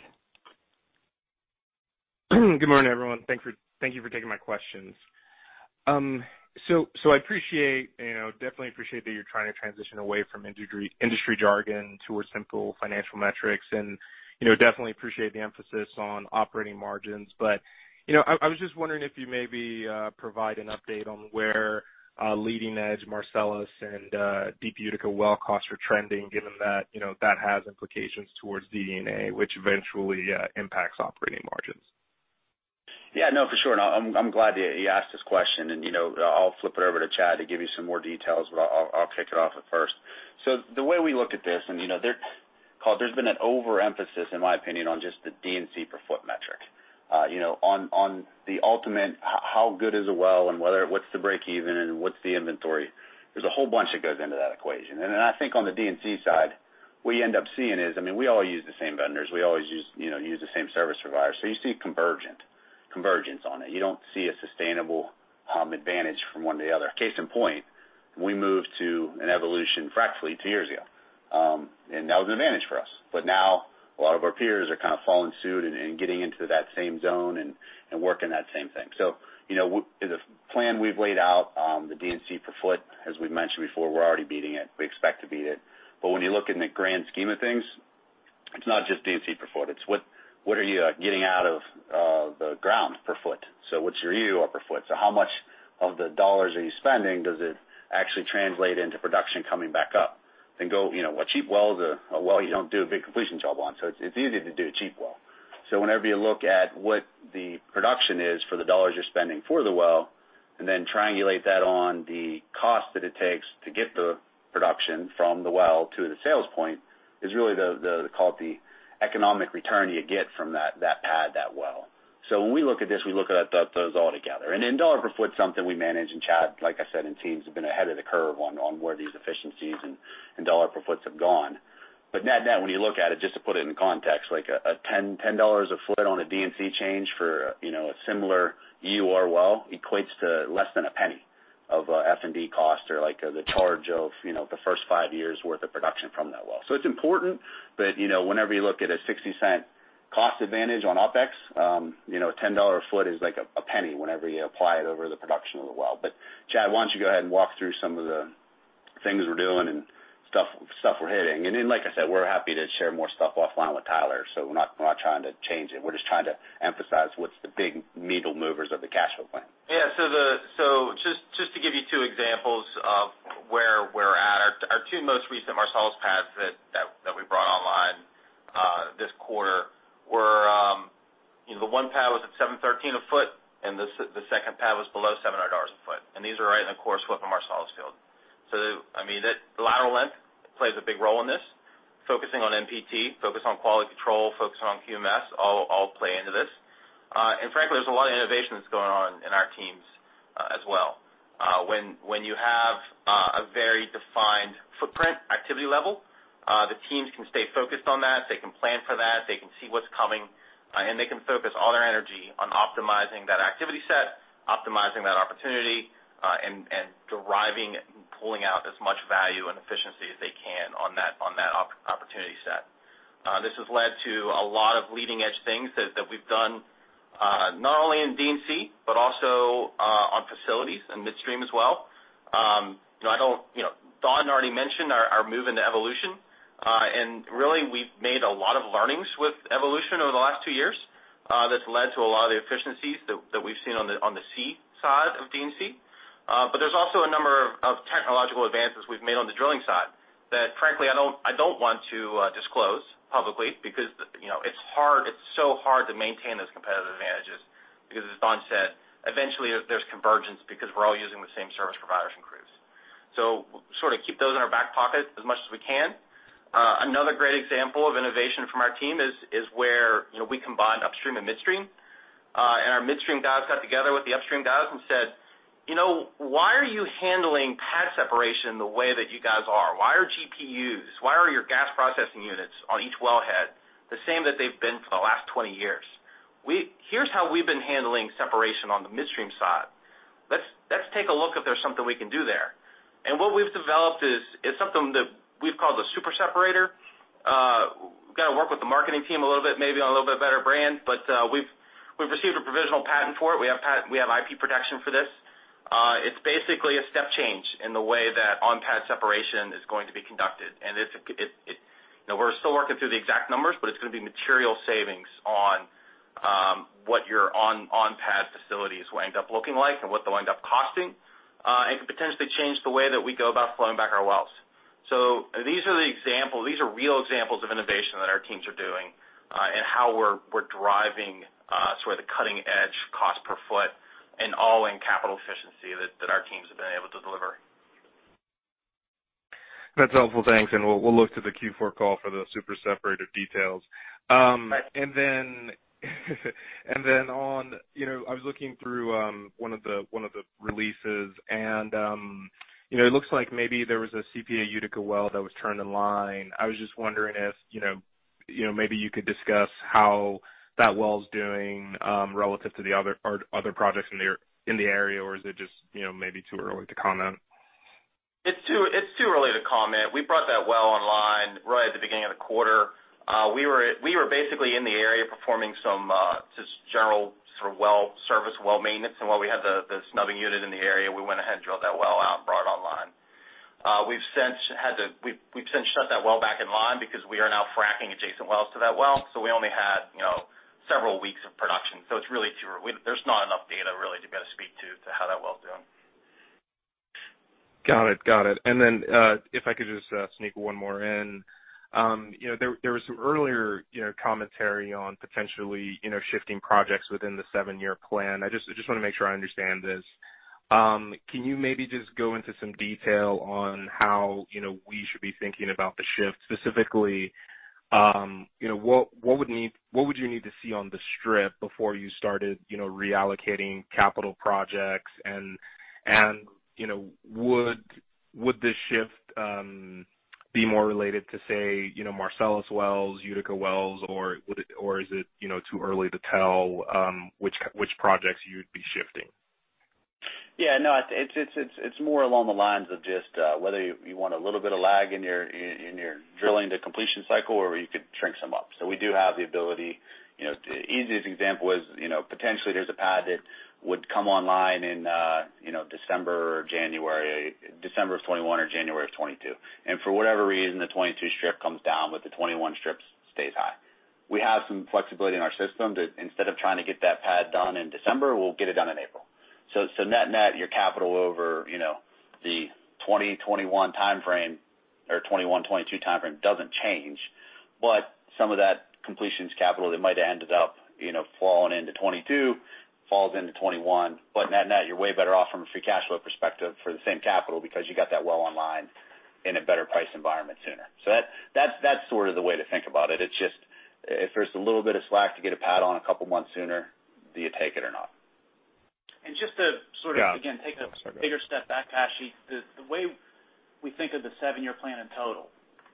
Good morning, everyone. Thank you for taking my questions. I definitely appreciate that you're trying to transition away from industry jargon towards simple financial metrics, and definitely appreciate the emphasis on operating margins. I was just wondering if you maybe provide an update on where leading-edge Marcellus and deep Utica well costs are trending, given that has implications towards DD&A, which eventually impacts operating margins? Yeah, no, for sure. I'm glad that you asked this question, and I'll flip it over to Chad to give you some more details, but I'll kick it off at first. The way we look at this, and there's been an overemphasis, in my opinion, on just the D&C per foot metric. On the ultimate how good is a well, and what's the breakeven and what's the inventory? There's a whole bunch that goes into that equation. I think on the D&C side, what you end up seeing is, we all use the same vendors, we always use the same service provider. You see convergence on it. You don't see a sustainable advantage from one to the other. Case in point, we moved to an Evolution, frankly, two years ago, and that was an advantage for us. Now a lot of our peers are kind of following suit and getting into that same zone and working that same thing. The plan we've laid out, the D&C per foot, as we've mentioned before, we're already beating it. We expect to beat it. When you look in the grand scheme of things, it's not just D&C per foot, it's what are you getting out of the ground per foot? What's your EUR per foot? How much of the dollars are you spending, does it actually translate into production coming back up? A cheap well is a well you don't do a big completion job on, so it's easy to do a cheap well. Whenever you look at what the production is for the dollars you're spending for the well, and then triangulate that on the cost that it takes to get the production from the well to the sales point, is really the economic return you get from that pad, that well. When we look at this, we look at those all together. Dollar per foot's something we manage, and Chad, like I said, and teams have been ahead of the curve on where these efficiencies and dollar per foots have gone. Net-net, when you look at it, just to put it in context, like a $10 a foot on a D&C change for a similar EUR well equates to less than $0.01 of F&D cost or the charge of the first five years worth of production from that well. It's important, but whenever you look at a $0.60 cost advantage on OpEx, a $10 a foot is like a $0.01 whenever you apply it over the production of the well. Chad, why don't you go ahead and walk through some of the things we're doing and stuff we're hitting. Then, like I said, we're happy to share more stuff offline with Tyler, so we're not trying to change it, we're just trying to emphasize what's the big needle movers of the cash flow plan. Yeah. Just to give you two examples of where we're at. Our two most recent Marcellus pads that we brought online this quarter were. The one pad was at $713 a foot, and the second pad was below $700 a foot. These are right in the core sweep of Marcellus field. The lateral length plays a big role in this. Focusing on NPT, focus on quality control, focus on QMS all play into this. Frankly, there's a lot of innovation that's going on in our teams as well. When you have a very defined footprint activity level, the teams can stay focused on that, they can plan for that, they can see what's coming, and they can focus all their energy on optimizing that activity set, optimizing that opportunity, and deriving and pulling out as much value and efficiency as they can on that opportunity set. This has led to a lot of leading-edge things that we've done, not only in D&C, but also on facilities and midstream as well. Don already mentioned our move into Evolution, and really, we've made a lot of learnings with Evolution over the last two years that's led to a lot of the efficiencies that we've seen on the C side of D&C. There's also a number of technological advances we've made on the drilling side that frankly, I don't want to disclose publicly because it's so hard to maintain those competitive advantages because as Don said, eventually there's convergence because we're all using the same service providers and crews. Sort of keep those in our back pocket as much as we can. Another great example of innovation from our team is where we combined upstream and midstream. Our midstream guys got together with the upstream guys and said, "Why are you handling pad separation the way that you guys are? Why are GPUs, why are your gas processing units on each wellhead the same that they've been for the last 20 years? Here's how we've been handling separation on the midstream side. Let's take a look if there's something we can do there." What we've developed is something that we've called the super separator. We've got to work with the marketing team a little bit, maybe on a little bit better brand. We've received a provisional patent for it. We have IP protection for this. It's basically a step change in the way that on-pad separation is going to be conducted. We're still working through the exact numbers, but it's going to be material savings on what your on-pad facilities will end up looking like and what they'll end up costing. Could potentially change the way that we go about flowing back our wells. These are real examples of innovation that our teams are doing, and how we're driving sort of the cutting-edge cost per foot and all-in capital efficiency that our teams have been able to deliver. That's helpful. Thanks. We'll look to the Q4 call for those super separator details. Right. I was looking through one of the releases, and it looks like maybe there was a CPA Utica well that was turned online. I was just wondering if maybe you could discuss how that well's doing relative to the other projects in the area, or is it just maybe too early to comment? It's too early to comment. We brought that well online right at the beginning of the quarter. We were basically in the area performing some just general sort of well service, well maintenance. While we had the snubbing unit in the area, we went ahead and drilled that well out and brought it online. We've since shut that well back in line because we are now fracking adjacent wells to that well. We only had several weeks of production. There's not enough data really to be able to speak to how that well's doing. Got it. Then, if I could just sneak one more in. There was some earlier commentary on potentially shifting projects within the seven year plan. I just want to make sure I understand this. Can you maybe just go into some detail on how we should be thinking about the shift? Specifically, what would you need to see on the strip before you started reallocating capital projects, and would this shift be more related to, say, Marcellus wells, Utica wells, or is it too early to tell which projects you'd be shifting? No, it's more along the lines of just whether you want a little bit of lag in your drilling-to-completion cycle, or you could shrink some up. We do have the ability. Easiest example is, potentially there's a pad that would come online in December of 2021 or January of 2022. For whatever reason, the 2022 strip comes down, but the 2021 strip stays high. We have some flexibility in our system that instead of trying to get that pad done in December, we'll get it done in April. Net your capital over the 2020-2021 timeframe or 2021-2022 timeframe doesn't change. Some of that completions capital that might have ended up falling into 2022 falls into 2021. Net, you're way better off from a free cash flow perspective for the same capital because you got that well online in a better price environment sooner. That's sort of the way to think about it. It's just, if there's a little bit of slack to get a pad on a couple of months sooner, do you take it or not? And just to sort of-. Yeah. Again, take a bigger step back, Kashy. The way we think of the seven year plan in total,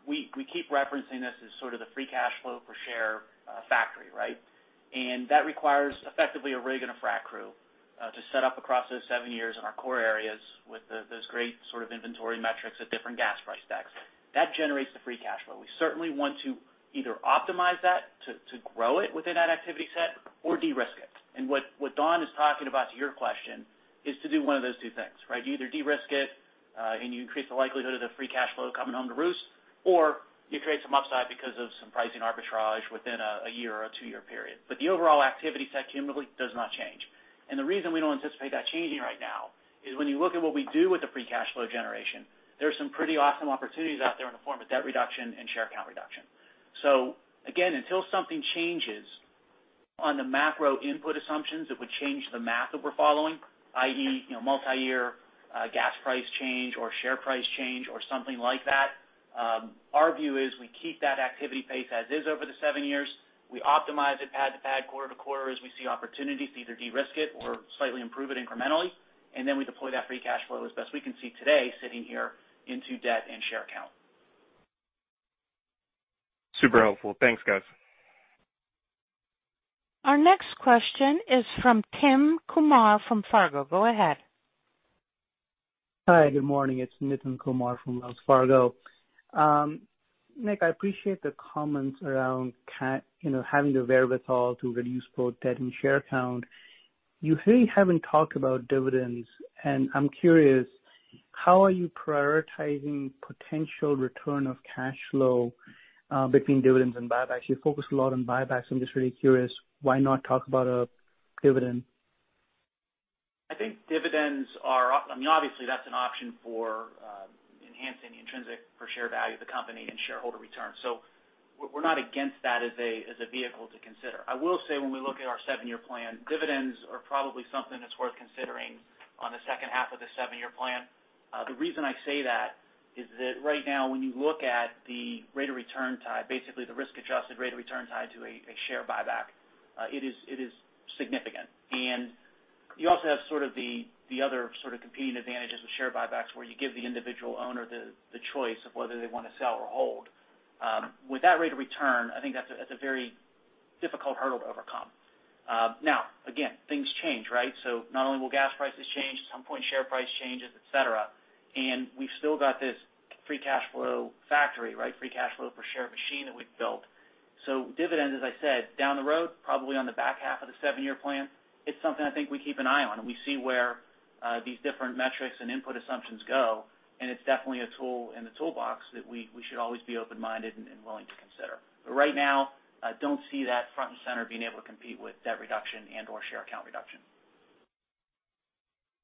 we keep referencing this as sort of the free cash flow per share factory, right? That requires effectively a rig and a frac crew to set up across those seven years in our core areas with those great sort of inventory metrics at different gas price decks. That generates the free cash flow. We certainly want to either optimize that to grow it within that activity set or de-risk it. What Don is talking about to your question is to do one of those two things, right? You either de-risk it, and you increase the likelihood of the free cash flow coming home to roost, or you create some upside because of some pricing arbitrage within a year or a two year period. The overall activity set cumulatively does not change. The reason we don't anticipate that changing right now is when you look at what we do with the free cash flow generation, there are some pretty awesome opportunities out there in the form of debt reduction and share count reduction. Again, until something changes on the macro input assumptions, it would change the math that we're following, i.e., multi-year gas price change or share price change or something like that. Our view is we keep that activity pace as is over the seven years. We optimize it pad to pad, quarter to quarter, as we see opportunities to either de-risk it or slightly improve it incrementally, and then we deploy that free cash flow as best we can see today sitting here into debt and share count. Super helpful. Thanks, guys. Our next question is from Nitin Kumar from Wells Fargo. Go ahead. Hi, good morning. It's Nitin Kumar from Wells Fargo. Nick, I appreciate the comments around having the wherewithal to reduce both debt and share count. You really haven't talked about dividends, and I'm curious, how are you prioritizing potential return of cash flow between dividends and buybacks? You focused a lot on buybacks. I'm just really curious, why not talk about a dividend? I think dividends are, obviously that's an option for enhancing the intrinsic per share value of the company and shareholder returns. We're not against that as a vehicle to consider. I will say when we look at our seven year plan, dividends are probably something that's worth considering on the second half of the seven year plan. The reason I say that is that right now when you look at the rate of return tied, basically the risk-adjusted rate of return tied to a share buyback, it is significant. You also have sort of the other sort of competing advantages with share buybacks where you give the individual owner the choice of whether they want to sell or hold. With that rate of return, I think that's a very difficult hurdle to overcome. Now, again, things change, right? Not only will gas prices change, at some point share price changes, et cetera, and we've still got this free cash flow factory, right. Free cash flow per share machine that we've built. Dividends, as I said, down the road, probably on the back half of the seven year plan, it's something I think we keep an eye on, and we see where these different metrics and input assumptions go, and it's definitely a tool in the toolbox that we should always be open-minded and willing to consider. Right now, I don't see that front and center being able to compete with debt reduction and/or share count reduction.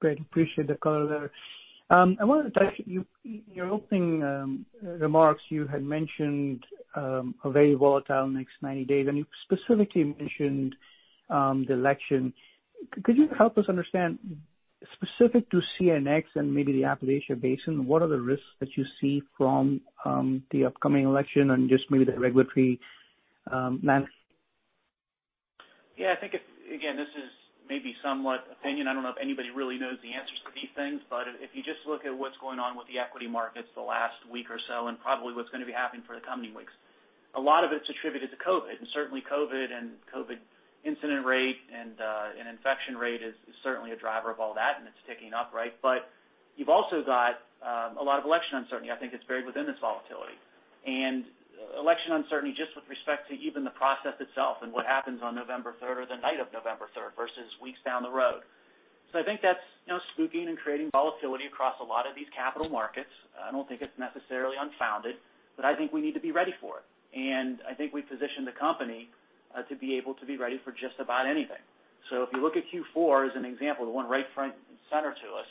Great. Appreciate the color there. I wanted to touch, in your opening remarks, you had mentioned a very volatile next 90 days, and you specifically mentioned the election. Could you help us understand, specific to CNX and maybe the Appalachia Basin, what are the risks that you see from the upcoming election and just maybe the regulatory landscape? Yeah, I think again, this is maybe somewhat opinion. I don't know if anybody really knows the answers to these things. If you just look at what's going on with the equity markets the last week or so, and probably what's going to be happening for the coming weeks, a lot of it's attributed to COVID. Certainly COVID, and COVID incident rate and infection rate is certainly a driver of all that, and it's ticking up, right? You've also got a lot of election uncertainty. I think it's buried within this volatility. Election uncertainty, just with respect to even the process itself and what happens on November 3rd or the night of November 3rd versus weeks down the road. I think that's spooking and creating volatility across a lot of these capital markets. I don't think it's necessarily unfounded, but I think we need to be ready for it. I think we've positioned the company to be able to be ready for just about anything. If you look at Q4 as an example, the one right front and center to us,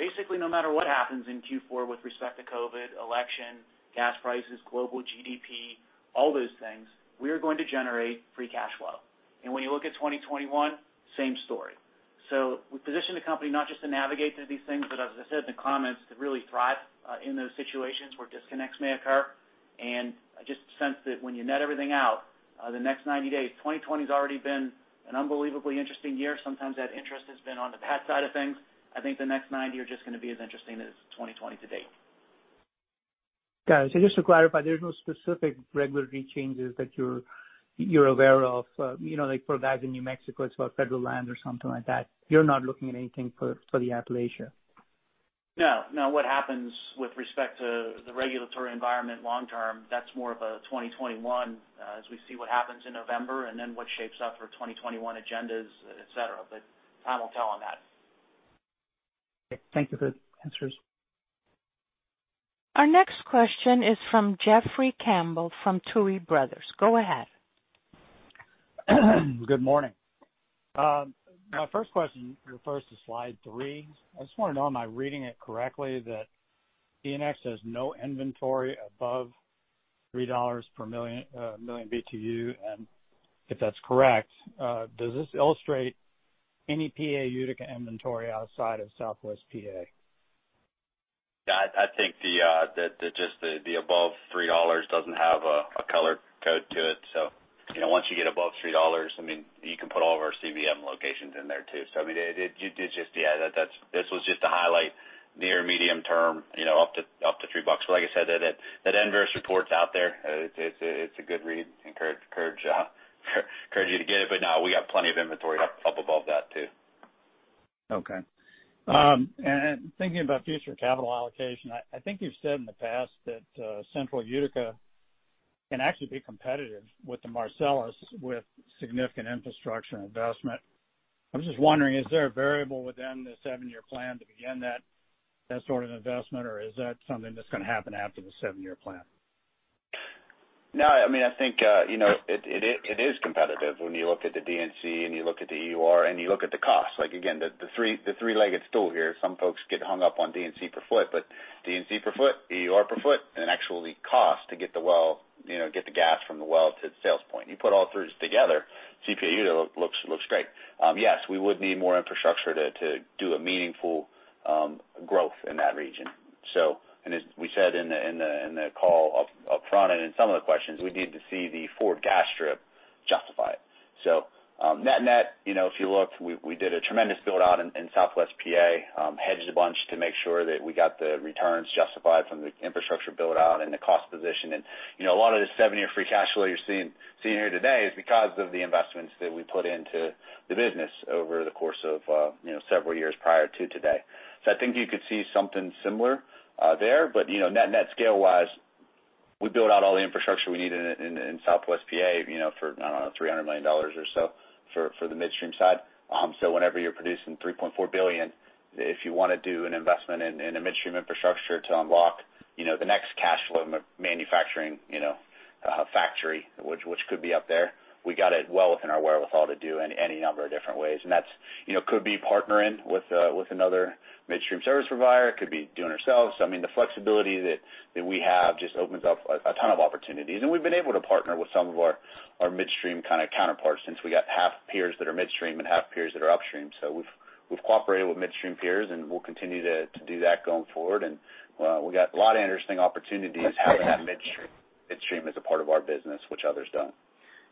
basically, no matter what happens in Q4 with respect to COVID, election, gas prices, global GDP, all those things, we are going to generate free cash flow. When you look at 2021, same story. We position the company not just to navigate through these things, but as I said in the comments, to really thrive in those situations where disconnects may occur. I just sense that when you net everything out, the next 90 days, 2020's already been an unbelievably interesting year. Sometimes that interest has been on the bad side of things. I think the next 90 are just going to be as interesting as 2020 to date. Got it. Just to clarify, there's no specific regulatory changes that you're aware of? Like for guys in New Mexico, it's about federal land or something like that. You're not looking at anything for the Appalachia? No. What happens with respect to the regulatory environment long term, that's more of a 2021, as we see what happens in November and then what shapes up for 2021 agendas, et cetera. Time will tell on that. Thank you for the answers. Our next question is from Jeffrey Campbell from Tuohy Brothers. Go ahead. Good morning. My first question refers to slide three. I just want to know, am I reading it correctly that CNX has no inventory above $3 per million BTU? If that's correct, does this illustrate any P.A. Utica inventory outside of Southwest P.A.? Yeah. I think just the above $3 doesn't have a color code to it. Once you get above $3, you can put all of our CBM locations in there too. This was just to highlight near medium term up to $3. Like I said, that Enverus report's out there. It's a good read. Encourage you to get it. No, we got plenty of inventory up above that too. Okay. Thinking about future capital allocation, I think you've said in the past that Central Utica can actually be competitive with the Marcellus with significant infrastructure and investment. I was just wondering, is there a variable within the seven year plan to begin that sort of investment, or is that something that's going to happen after the seven year plan? No. I think it is competitive when you look at the D&C, and you look at the EUR, and you look at the cost. Again, the three-legged stool here. Some folks get hung up on D&C per foot. D&C per foot, EUR per foot, and actually cost to get the gas from the well to the sales point. You put all those together, CPA Utica looks great. Yes, we would need more infrastructure to do a meaningful growth in that region. As we said in the call upfront and in some of the questions, we need to see the forward gas strip justify it. Net, if you look, we did a tremendous build-out in Southwest PA. Hedged a bunch to make sure that we got the returns justified from the infrastructure build-out and the cost position. A lot of the seven year free cash flow you're seeing here today is because of the investments that we put into the business over the course of several years prior to today. I think you could see something similar there. Net scale-wise, we build out all the infrastructure we need in Southwest PA for, I don't know, $300 million or so for the midstream side. Whenever you're producing 3.4 billion, if you want to do an investment in a midstream infrastructure to unlock the next cash flow manufacturing factory, which could be up there, we got it well within our wherewithal to do in any number of different ways. That could be partnering with another midstream service provider. It could be doing ourselves. The flexibility that we have just opens up a ton of opportunities. We've been able to partner with some of our midstream counterparts since we got half peers that are midstream and half peers that are upstream. We've cooperated with midstream peers, and we'll continue to do that going forward. We got a lot of interesting opportunities having that midstream as a part of our business, which others don't.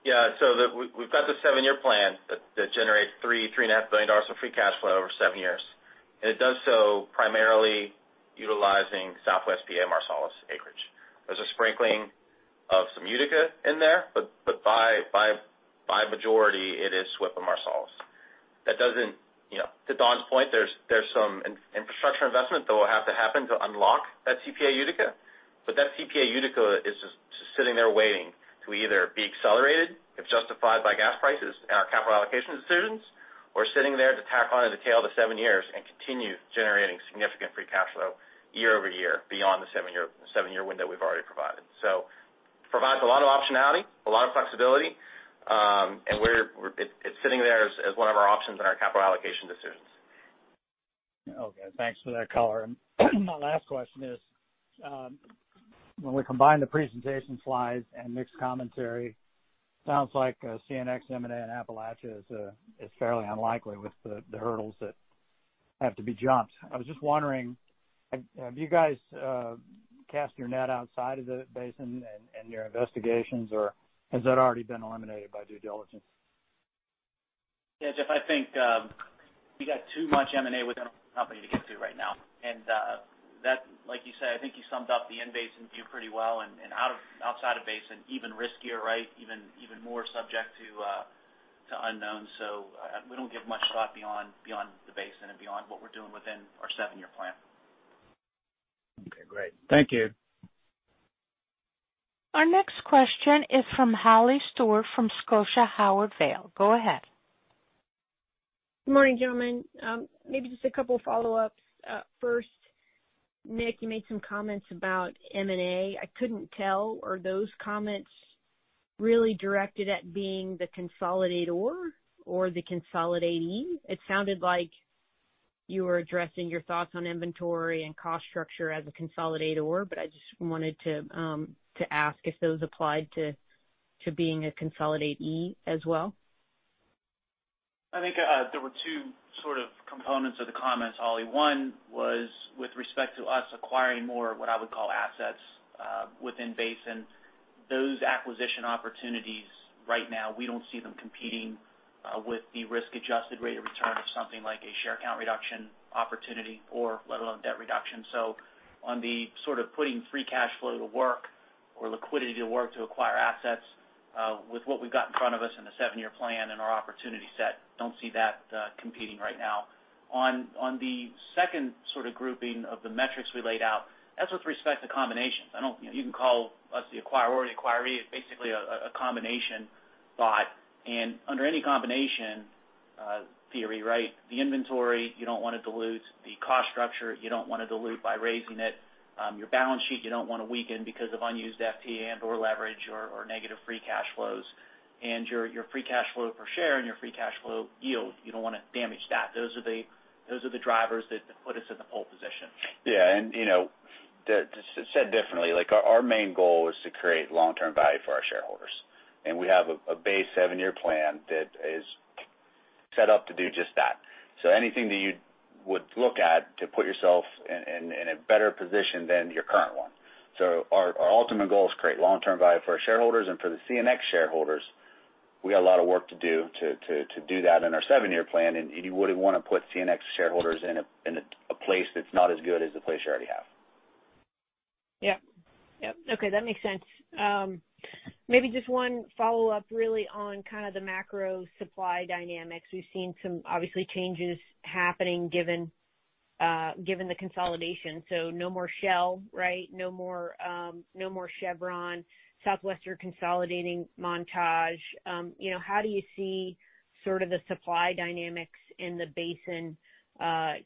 Yeah. We've got the seven year plan that generates $3 billion-$3.5 billion of free cash flow over seven years. It does so primarily utilizing SWPA Marcellus acreage. There's a sprinkling of some Utica in there, but by majority, it is SWPA Marcellus. To Don's point, there's some infrastructure investment that will have to happen to unlock that CPA Utica. That CPA Utica is just sitting there waiting to either be accelerated if justified by gas prices and our capital allocation decisions, or sitting there to tack on at the tail of the seven years and continue generating significant free cash flow year-over-year beyond the seven year window we've already provided. It provides a lot of optionality, a lot of flexibility. It's sitting there as one of our options in our capital allocation decisions. Okay. Thanks for that color. My last question is, when we combine the presentation slides and Nick's commentary, it sounds like a CNX M&A in Appalachia is fairly unlikely with the hurdles that have to be jumped. I was just wondering, have you guys cast your net outside of the basin in your investigations, or has that already been eliminated by due diligence? Yeah, Jeff, I think we got too much M&A within our company to get to right now. That, like you said, I think you summed up the in-basin view pretty well. Outside of basin, even riskier. Even more subject to unknowns. We don't give much thought beyond the basin and beyond what we're doing within our seven year plan. Okay, great. Thank you. Our next question is from Holly Stewart from Scotia Howard Weil. Go ahead. Good morning, gentlemen. Maybe just a couple of follow-ups. First, Nick, you made some comments about M&A. I couldn't tell, are those comments really directed at being the consolidator or the consolidatee? It sounded like you were addressing your thoughts on inventory and cost structure as a consolidator, but I just wanted to ask if those applied to being a consolidatee as well. I think there were two sort of components of the comments, Holly. One was with respect to us acquiring more of what I would call assets within basin. Those acquisition opportunities, right now, we don't see them competing with the risk-adjusted rate of return of something like a share count reduction opportunity or let alone debt reduction. On the sort of putting free cash flow to work or liquidity to work to acquire assets, with what we've got in front of us in the seven year plan and our opportunity set, don't see that competing right now. On the second sort of grouping of the metrics we laid out, that's with respect to combinations. You can call us the acquirer or acquiree, it's basically a combination bot, and under any combination theory, the inventory, you don't want to dilute the cost structure. You don't want to dilute by raising it. Your balance sheet, you don't want to weaken because of unused FTE and/or leverage or negative free cash flows. Your free cash flow per share and your free cash flow yield, you don't want to damage that. Those are the drivers that put us in the pole position. Yeah, said differently, our main goal is to create long-term value for our shareholders. We have a base seven year plan that is set up to do just that. Anything that you would look at to put yourself in a better position than your current one. Our ultimate goal is to create long-term value for our shareholders and for the CNX shareholders. We got a lot of work to do to do that in our seven year plan, and you wouldn't want to put CNX shareholders in a place that's not as good as the place you already have. Yep. Okay. That makes sense. Maybe just one follow-up really on kind of the macro supply dynamics? We've seen some obviously changes happening given the consolidation. No more Shell. No more Chevron. Southwestern consolidating Montage. How do you see sort of the supply dynamics in the basin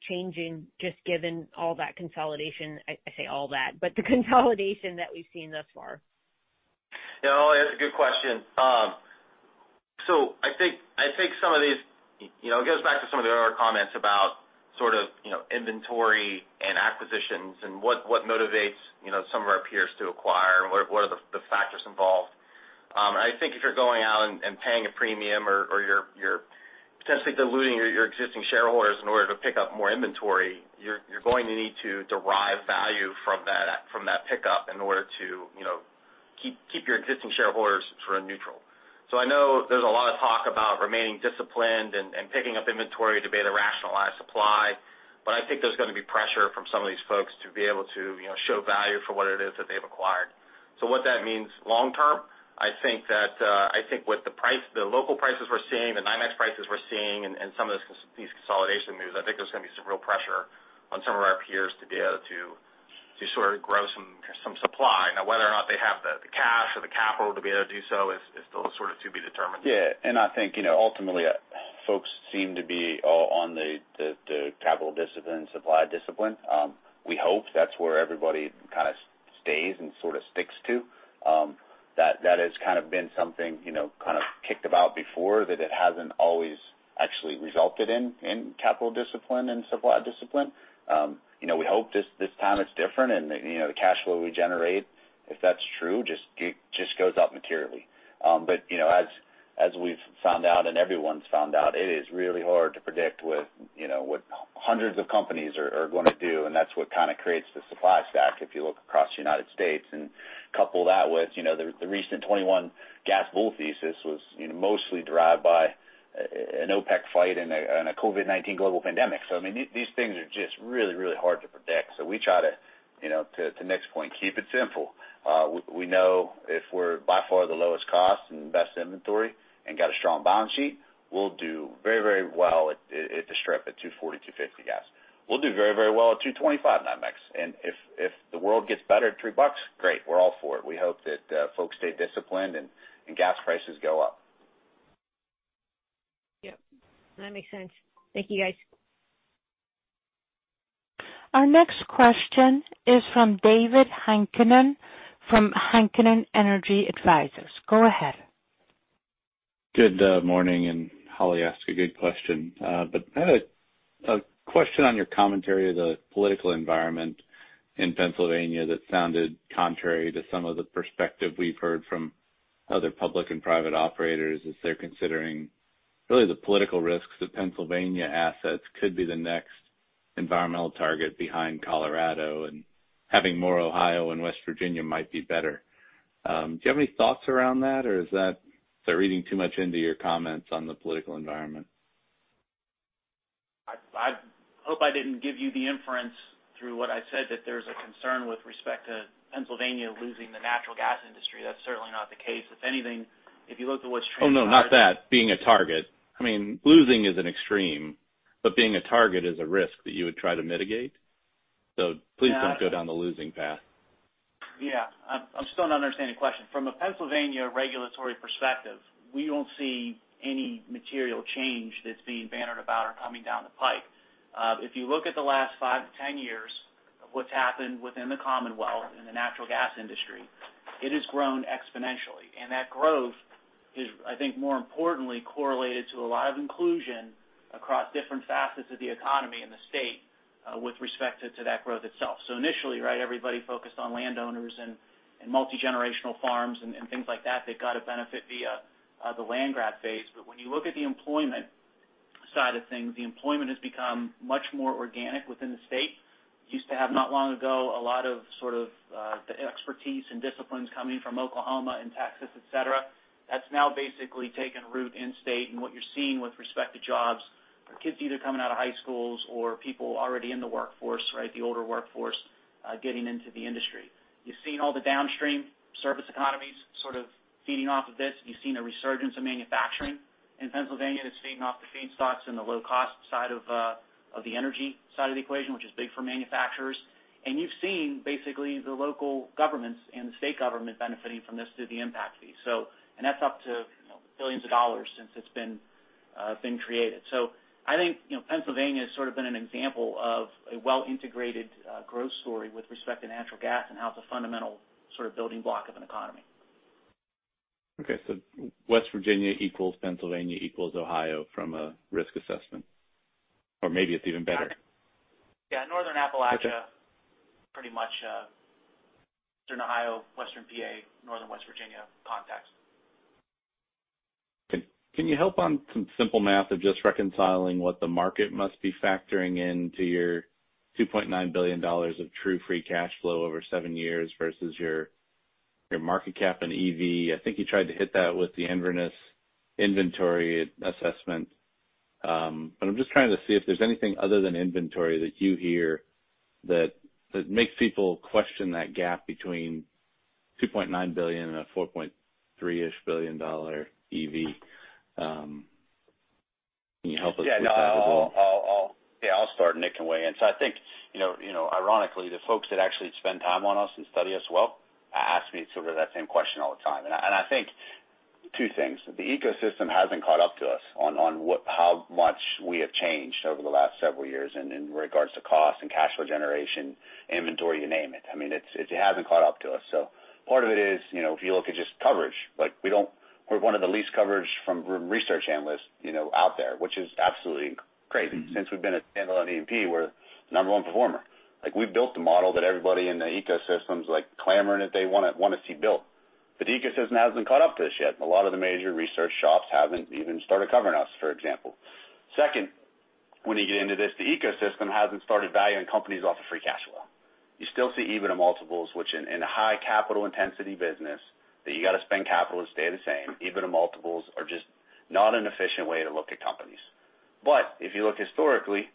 changing, just given all that consolidation? I say all that, but the consolidation that we've seen thus far. Yeah, Holly, that's a good question. I think it goes back to some of the earlier comments about sort of inventory and acquisitions and what motivates some of our peers to acquire and what are the factors involved. I think if you're going out and paying a premium or you're potentially diluting your existing shareholders in order to pick up more inventory, you're going to need to derive value from that pickup in order to keep your existing shareholders sort of neutral. I know there's a lot of talk about remaining disciplined and picking up inventory to be able to rationalize supply, but I think there's going to be pressure from some of these folks to be able to show value for what it is that they've acquired. What that means long term, I think with the local prices we're seeing, the NYMEX prices we're seeing, and some of these consolidation moves, I think there's going to be some real pressure on some of our peers to be able to sort of grow some supply. Whether or not they have the cash or the capital to be able to do so is still sort of to be determined. Yeah. I think ultimately, folks seem to be all on the capital discipline, supply discipline. We hope that's where everybody kind of stays and sort of sticks to. That has kind of been something kind of kicked about before, that it hasn't always actually resulted in capital discipline and supply discipline. We hope this time it's different, and the cash flow we generate, if that's true, just goes up materially. As we've found out and everyone's found out, it is really hard to predict what hundreds of companies are going to do, and that's what kind of creates the supply stack if you look across the United States. Couple that with the recent 2021 gas bull thesis was mostly derived by an OPEC fight and a COVID-19 global pandemic. I mean, these things are just really, really hard to predict. We try to Nick's point, keep it simple. We know if we're by far the lowest cost and best inventory and got a strong balance sheet, we'll do very well at the strip at $2.40, $2.50 gas. We'll do very well at $2.25 NYMEX. If the world gets better at $3, great. We're all for it. We hope that folks stay disciplined and gas prices go up. Yep. That makes sense. Thank you, guys. Our next question is from David Heikkinen from Heikkinen Energy Advisors. Go ahead. Good morning. Holly asked a good question. I had a question on your commentary of the political environment in Pennsylvania that sounded contrary to some of the perspective we've heard from other public and private operators as they're considering really the political risks of Pennsylvania assets could be the next environmental target behind Colorado, and having more Ohio and West Virginia might be better. Do you have any thoughts around that, or is that they're reading too much into your comments on the political environment? I hope I didn't give you the inference through what I said that there's a concern with respect to Pennsylvania losing the natural gas industry. That's certainly not the case. If anything, if you look at what's. Oh, no, not that. Being a target. Losing is an extreme, but being a target is a risk that you would try to mitigate. Please don't go down the losing path. Yeah. I'm still not understanding the question. From a Pennsylvania regulatory perspective, we don't see any material change that's being bannered about or coming down the pipe. If you look at the last 5-10 years of what's happened within the commonwealth in the natural gas industry, it has grown exponentially. That growth is, I think, more importantly, correlated to a lot of inclusion across different facets of the economy in the state with respect to that growth itself. Initially, right, everybody focused on landowners and multi-generational farms and things like that got a benefit via the land grab phase. When you look at the employment side of things, the employment has become much more organic within the state. Used to have, not long ago, a lot of the expertise and disciplines coming from Oklahoma and Texas, et cetera. That's now basically taken root in state, and what you're seeing with respect to jobs are kids either coming out of high schools or people already in the workforce, right, the older workforce, getting into the industry. You've seen all the downstream service economies sort of feeding off of this. You've seen a resurgence of manufacturing in Pennsylvania that's feeding off the feedstocks and the low-cost side of the energy side of the equation, which is big for manufacturers. You've seen basically the local governments and the state government benefiting from this through the impact fee. That's up to billions of dollars since it's been created. I think Pennsylvania has sort of been an example of a well-integrated growth story with respect to natural gas and how it's a fundamental sort of building block of an economy. Okay, West Virginia equals Pennsylvania equals Ohio from a risk assessment, or maybe it's even better. Yeah, Northern Appalachia pretty much, Western Ohio, Western PA, Northern West Virginia context. Can you help on some simple math of just reconciling what the market must be factoring in to your $2.9 billion of true free cash flow over seven years versus your market cap and EV? I think you tried to hit that with the Enverus inventory assessment. I'm just trying to see if there's anything other than inventory that you hear that makes people question that gap between $2.9 billion and a $4.3-ish billion EV. Can you help us with that as well? Yeah, I'll start. Nick can weigh in. I think ironically, the folks that actually spend time on us and study us well ask me sort of that same question all the time. I think two things. The ecosystem hasn't caught up to us on how much we have changed over the last several years in regards to cost and cash flow generation, inventory, you name it. It hasn't caught up to us. Part of it is, if you look at just coverage. We're one of the least covered from research analysts out there, which is absolutely crazy. Since we've been standalone E&P, we're the number one performer. We've built the model that everybody in the ecosystem's clamoring that they want to see built. The ecosystem hasn't caught up to us yet. A lot of the major research shops haven't even started covering us, for example. When you get into this, the ecosystem hasn't started valuing companies off of free cash flow. You still see EBITDA multiples, which in a high capital intensity business, that you got to spend capital to stay the same, EBITDA multiples are just not an efficient way to look at companies. If you look historically,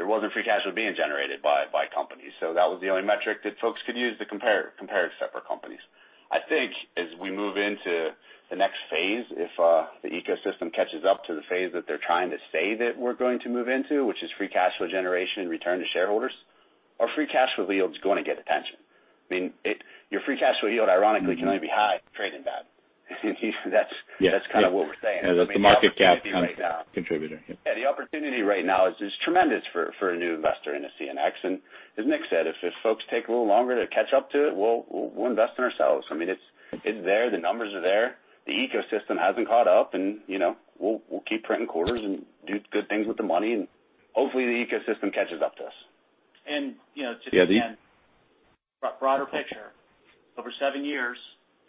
there wasn't free cash flow being generated by companies. That was the only metric that folks could use to compare separate companies. I think as we move into the next phase, if the ecosystem catches up to the phase that they're trying to say that we're going to move into, which is free cash flow generation and return to shareholders, our free cash flow yield's going to get attention. Your free cash flow yield, ironically, can only be high, trading bad. That's kind of what we're saying. Yeah, that's a market cap contributor. Yeah, the opportunity right now is just tremendous for a new investor in the CNX. As Nick said, if folks take a little longer to catch up to it, we'll invest in ourselves. It's there. The numbers are there. The ecosystem hasn't caught up, and we'll keep printing quarters and do good things with the money, and hopefully, the ecosystem catches up to us. And to the-. Yeah, then. Broader picture, over seven years,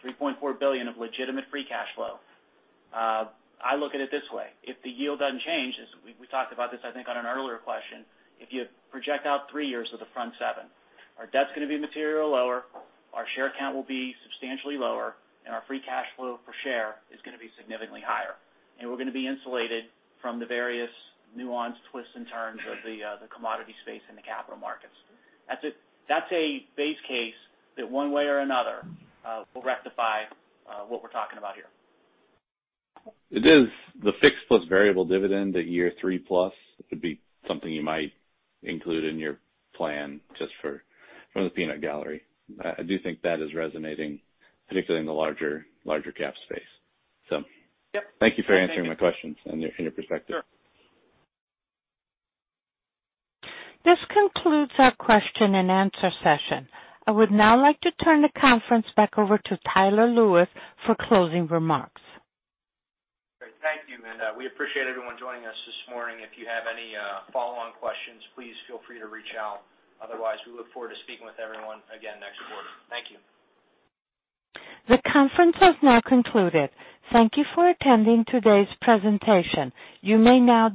$3.4 billion of legitimate free cash flow. I look at it this way. If the yield doesn't change, as we talked about this, I think, on an earlier question, if you project out three years of the front seven, our debt's going to be material lower, our share count will be substantially lower, and our free cash flow per share is going to be significantly higher. We're going to be insulated from the various nuanced twists and turns of the commodity space in the capital markets. That's a base case that one way or another, will rectify what we're talking about here. It is the fixed plus variable dividend at year three plus would be something you might include in your plan just from the peanut gallery. I do think that is resonating, particularly in the larger cap space. Thank you for answering my questions and your perspective. Sure. This concludes our question-and answer-session. I would now like to turn the conference back over to Tyler Lewis for closing remarks. Great. Thank you. We appreciate everyone joining us this morning. If you have any follow-on questions, please feel free to reach out. Otherwise, we look forward to speaking with everyone again next quarter. Thank you. The conference has now concluded. Thank you for attending today's presentation. You may now.